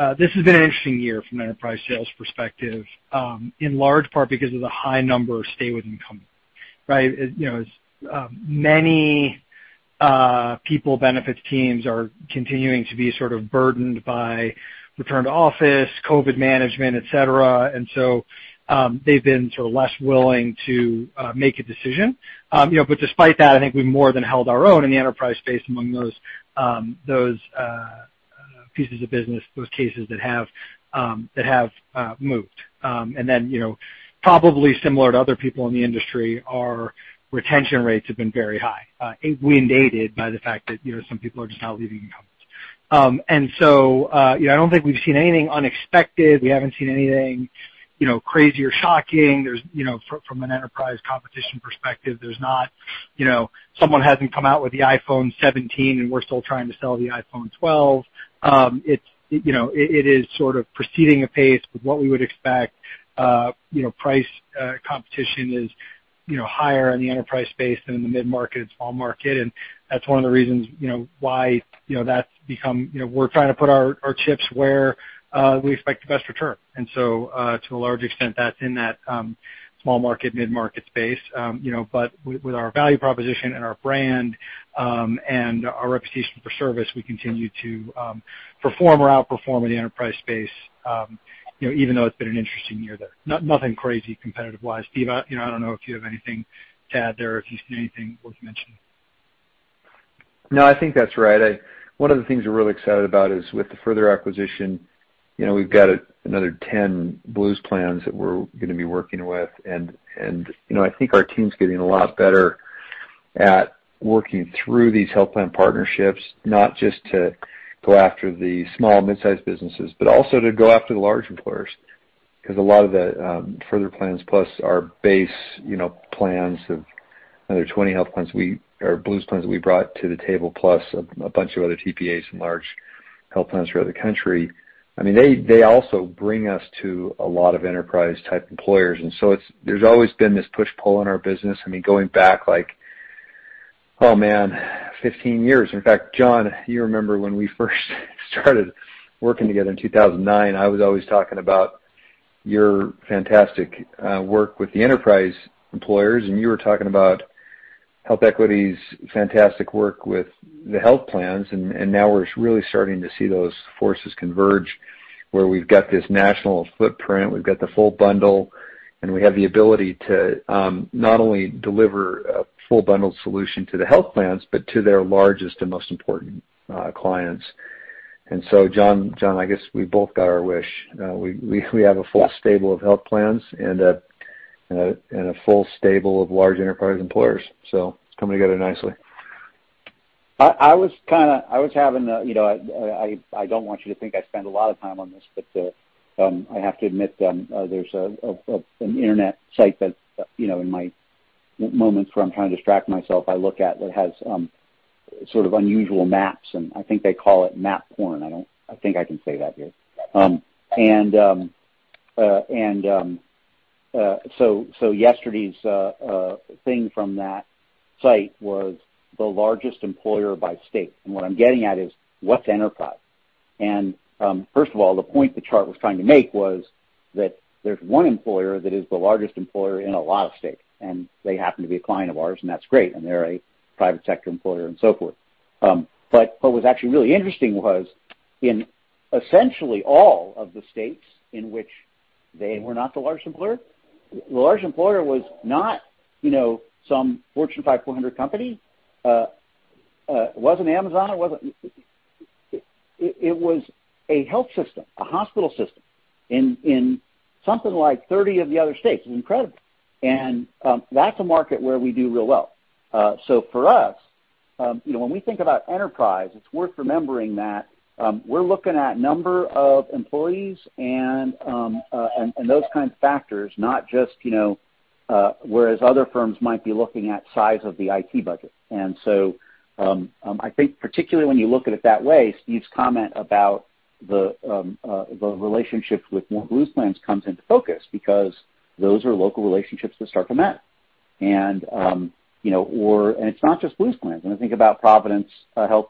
know, this has been an interesting year from an enterprise sales perspective, in large part because of the high number of stay with incumbents. Right? You know, as many people benefits teams are continuing to be sort of burdened by return to office, COVID management, etc. They've been sort of less willing to make a decision. You know, but despite that, I think we more than held our own in the enterprise space among those pieces of business, those cases that have moved. You know, probably similar to other people in the industry, our retention rates have been very high. We're inundated by the fact that, you know, some people are just not leaving companies. I don't think we've seen anything unexpected. We haven't seen anything, you know, crazy or shocking. There's, you know, from an enterprise competition perspective, there's not, you know, someone has come out with the iPhone 17, and we're still trying to sell the iPhone 12. It's, you know, it is sort of proceeding apace with what we would expect. You know, price competition is, you know, higher in the enterprise space than in the mid-market, small market. That's one of the reasons, you know, why, you know, that's become. You know, we're trying to put our chips where we expect the best return. To a large extent, that's in that small market, mid-market space. With our value proposition and our brand and our reputation for service, we continue to perform or outperform in the enterprise space, even though it's been an interesting year there. Nothing crazy competitive-wise. Steve, I don't know if you have anything to add there or if you see anything worth mentioning? No, I think that's right. One of the things we're really excited about is with the Further acquisition, you know, we've got another 10 Blues plans that we're gonna be working with. You know, I think our team's getting a lot better at working through these health plan partnerships, not just to go after the small midsize businesses, but also to go after the large employers. 'Cause a lot of the Further plans, plus our base, you know, plans of another 20 health plans or Blues plans that we brought to the table, plus a bunch of other TPAs and large health plans throughout the country. I mean, they also bring us to a lot of enterprise type employers. There's always been this push-pull in our business. I mean, going back like, oh man, 15 years. In fact, Jon, you remember when we first started working together in 2009, I was always talking about your fantastic work with the enterprise employers, and you were talking about HealthEquity's fantastic work with the health plans. Now we're really starting to see those forces converge, where we've got this national footprint, we've got the full bundle, and we have the ability to not only deliver a full bundled solution to the health plans, but to their largest and most important clients. Jon, I guess we both got our wish. We have a full stable of health plans and a full stable of large enterprise employers. It's coming together nicely. I was kind of having a, you know, I don't want you to think I spend a lot of time on this, but I have to admit there's an internet site that, you know, in my moments where I'm trying to distract myself, I look at, that has sort of unusual maps and I think they call it map porn. I think I can say that here. So yesterday's thing from that site was the largest employer by state. What I'm getting at is what's enterprise? First of all, the point the chart was trying to make was that there's one employer that is the largest employer in a lot of states, and they happen to be a client of ours, and that's great, and they're a private sector employer and so forth. What was actually really interesting was in essentially all of the states in which they were not the largest employer, the large employer was not, you know, some Fortune 500 company, wasn't Amazon, it wasn't. It was a health system, a hospital system in something like 30 of the other states. It was incredible. That's a market where we do real well. For us, you know, when we think about enterprise, it's worth remembering that we're looking at number of employees and those kind of factors, not just, you know, whereas other firms might be looking at size of the IT budget. I think particularly when you look at it that way, Steve's comment about the relationships with more Blues plans comes into focus because those are local relationships that start to matter. You know, it's not just Blues plans. When I think about Providence Health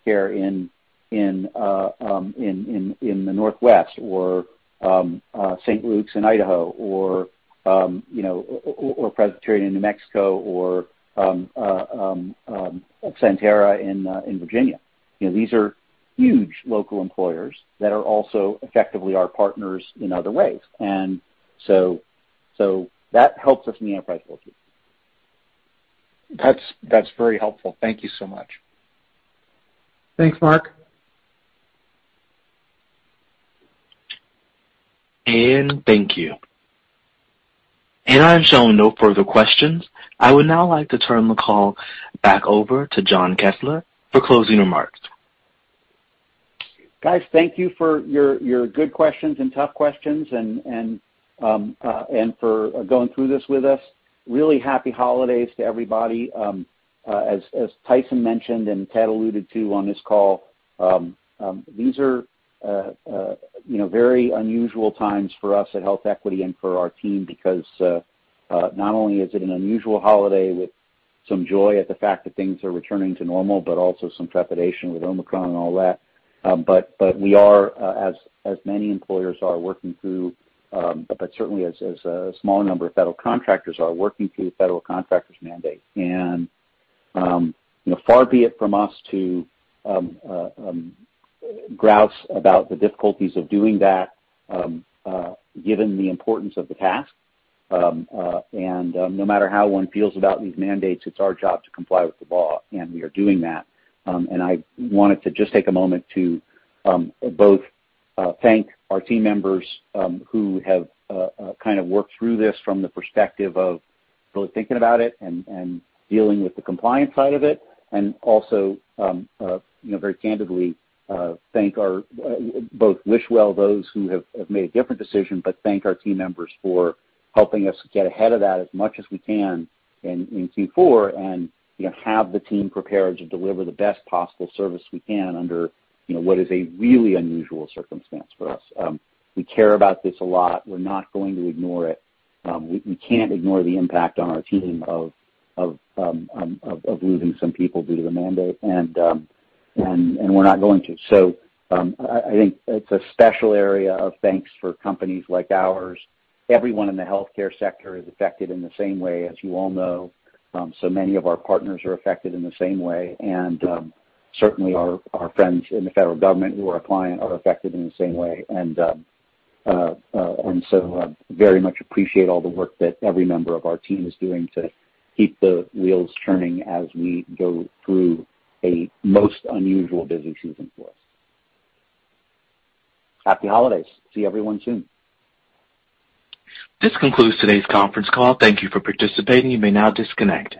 in the Northwest or St. Luke's in Idaho or, you know, or Presbyterian in New Mexico or Sentara in Virginia, you know, these are huge local employers that are also effectively our partners in other ways. That helps us in the enterprise world too. That's very helpful. Thank you so much. Thanks, Mark. Thank you. I'm showing no further questions. I would now like to turn the call back over to Jon Kessler for closing remarks. Guys, thank you for your good questions and tough questions and for going through this with us. Really happy holidays to everybody. As Tyson mentioned and Ted alluded to on this call, these are, you know, very unusual times for us at HealthEquity and for our team because not only is it an unusual holiday with some joy at the fact that things are returning to normal, but also some trepidation with Omicron and all that. We are, as many employers are working through, certainly as a small number of federal contractors are working through federal contractor mandate. You know, far be it from us to grouse about the difficulties of doing that, given the importance of the task. No matter how one feels about these mandates, it's our job to comply with the law, and we are doing that. I wanted to just take a moment to thank our team members who have kind of worked through this from the perspective of both thinking about it and dealing with the compliance side of it, and also, you know, very candidly, wish well those who have made a different decision, but thank our team members for helping us get ahead of that as much as we can in Q4, and, you know, have the team prepared to deliver the best possible service we can under, you know, what is a really unusual circumstance for us. We care about this a lot. We're not going to ignore it. We can't ignore the impact on our team of losing some people due to the mandate and we're not going to. I think it's a special area of thanks for companies like ours. Everyone in the healthcare sector is affected in the same way, as you all know. Many of our partners are affected in the same way, and certainly our friends in the federal government who are a client are affected in the same way, and very much appreciate all the work that every member of our team is doing to keep the wheels turning as we go through a most unusual business season for us. Happy holidays. See everyone soon. This concludes today's conference call. Thank you for participating. You may now disconnect.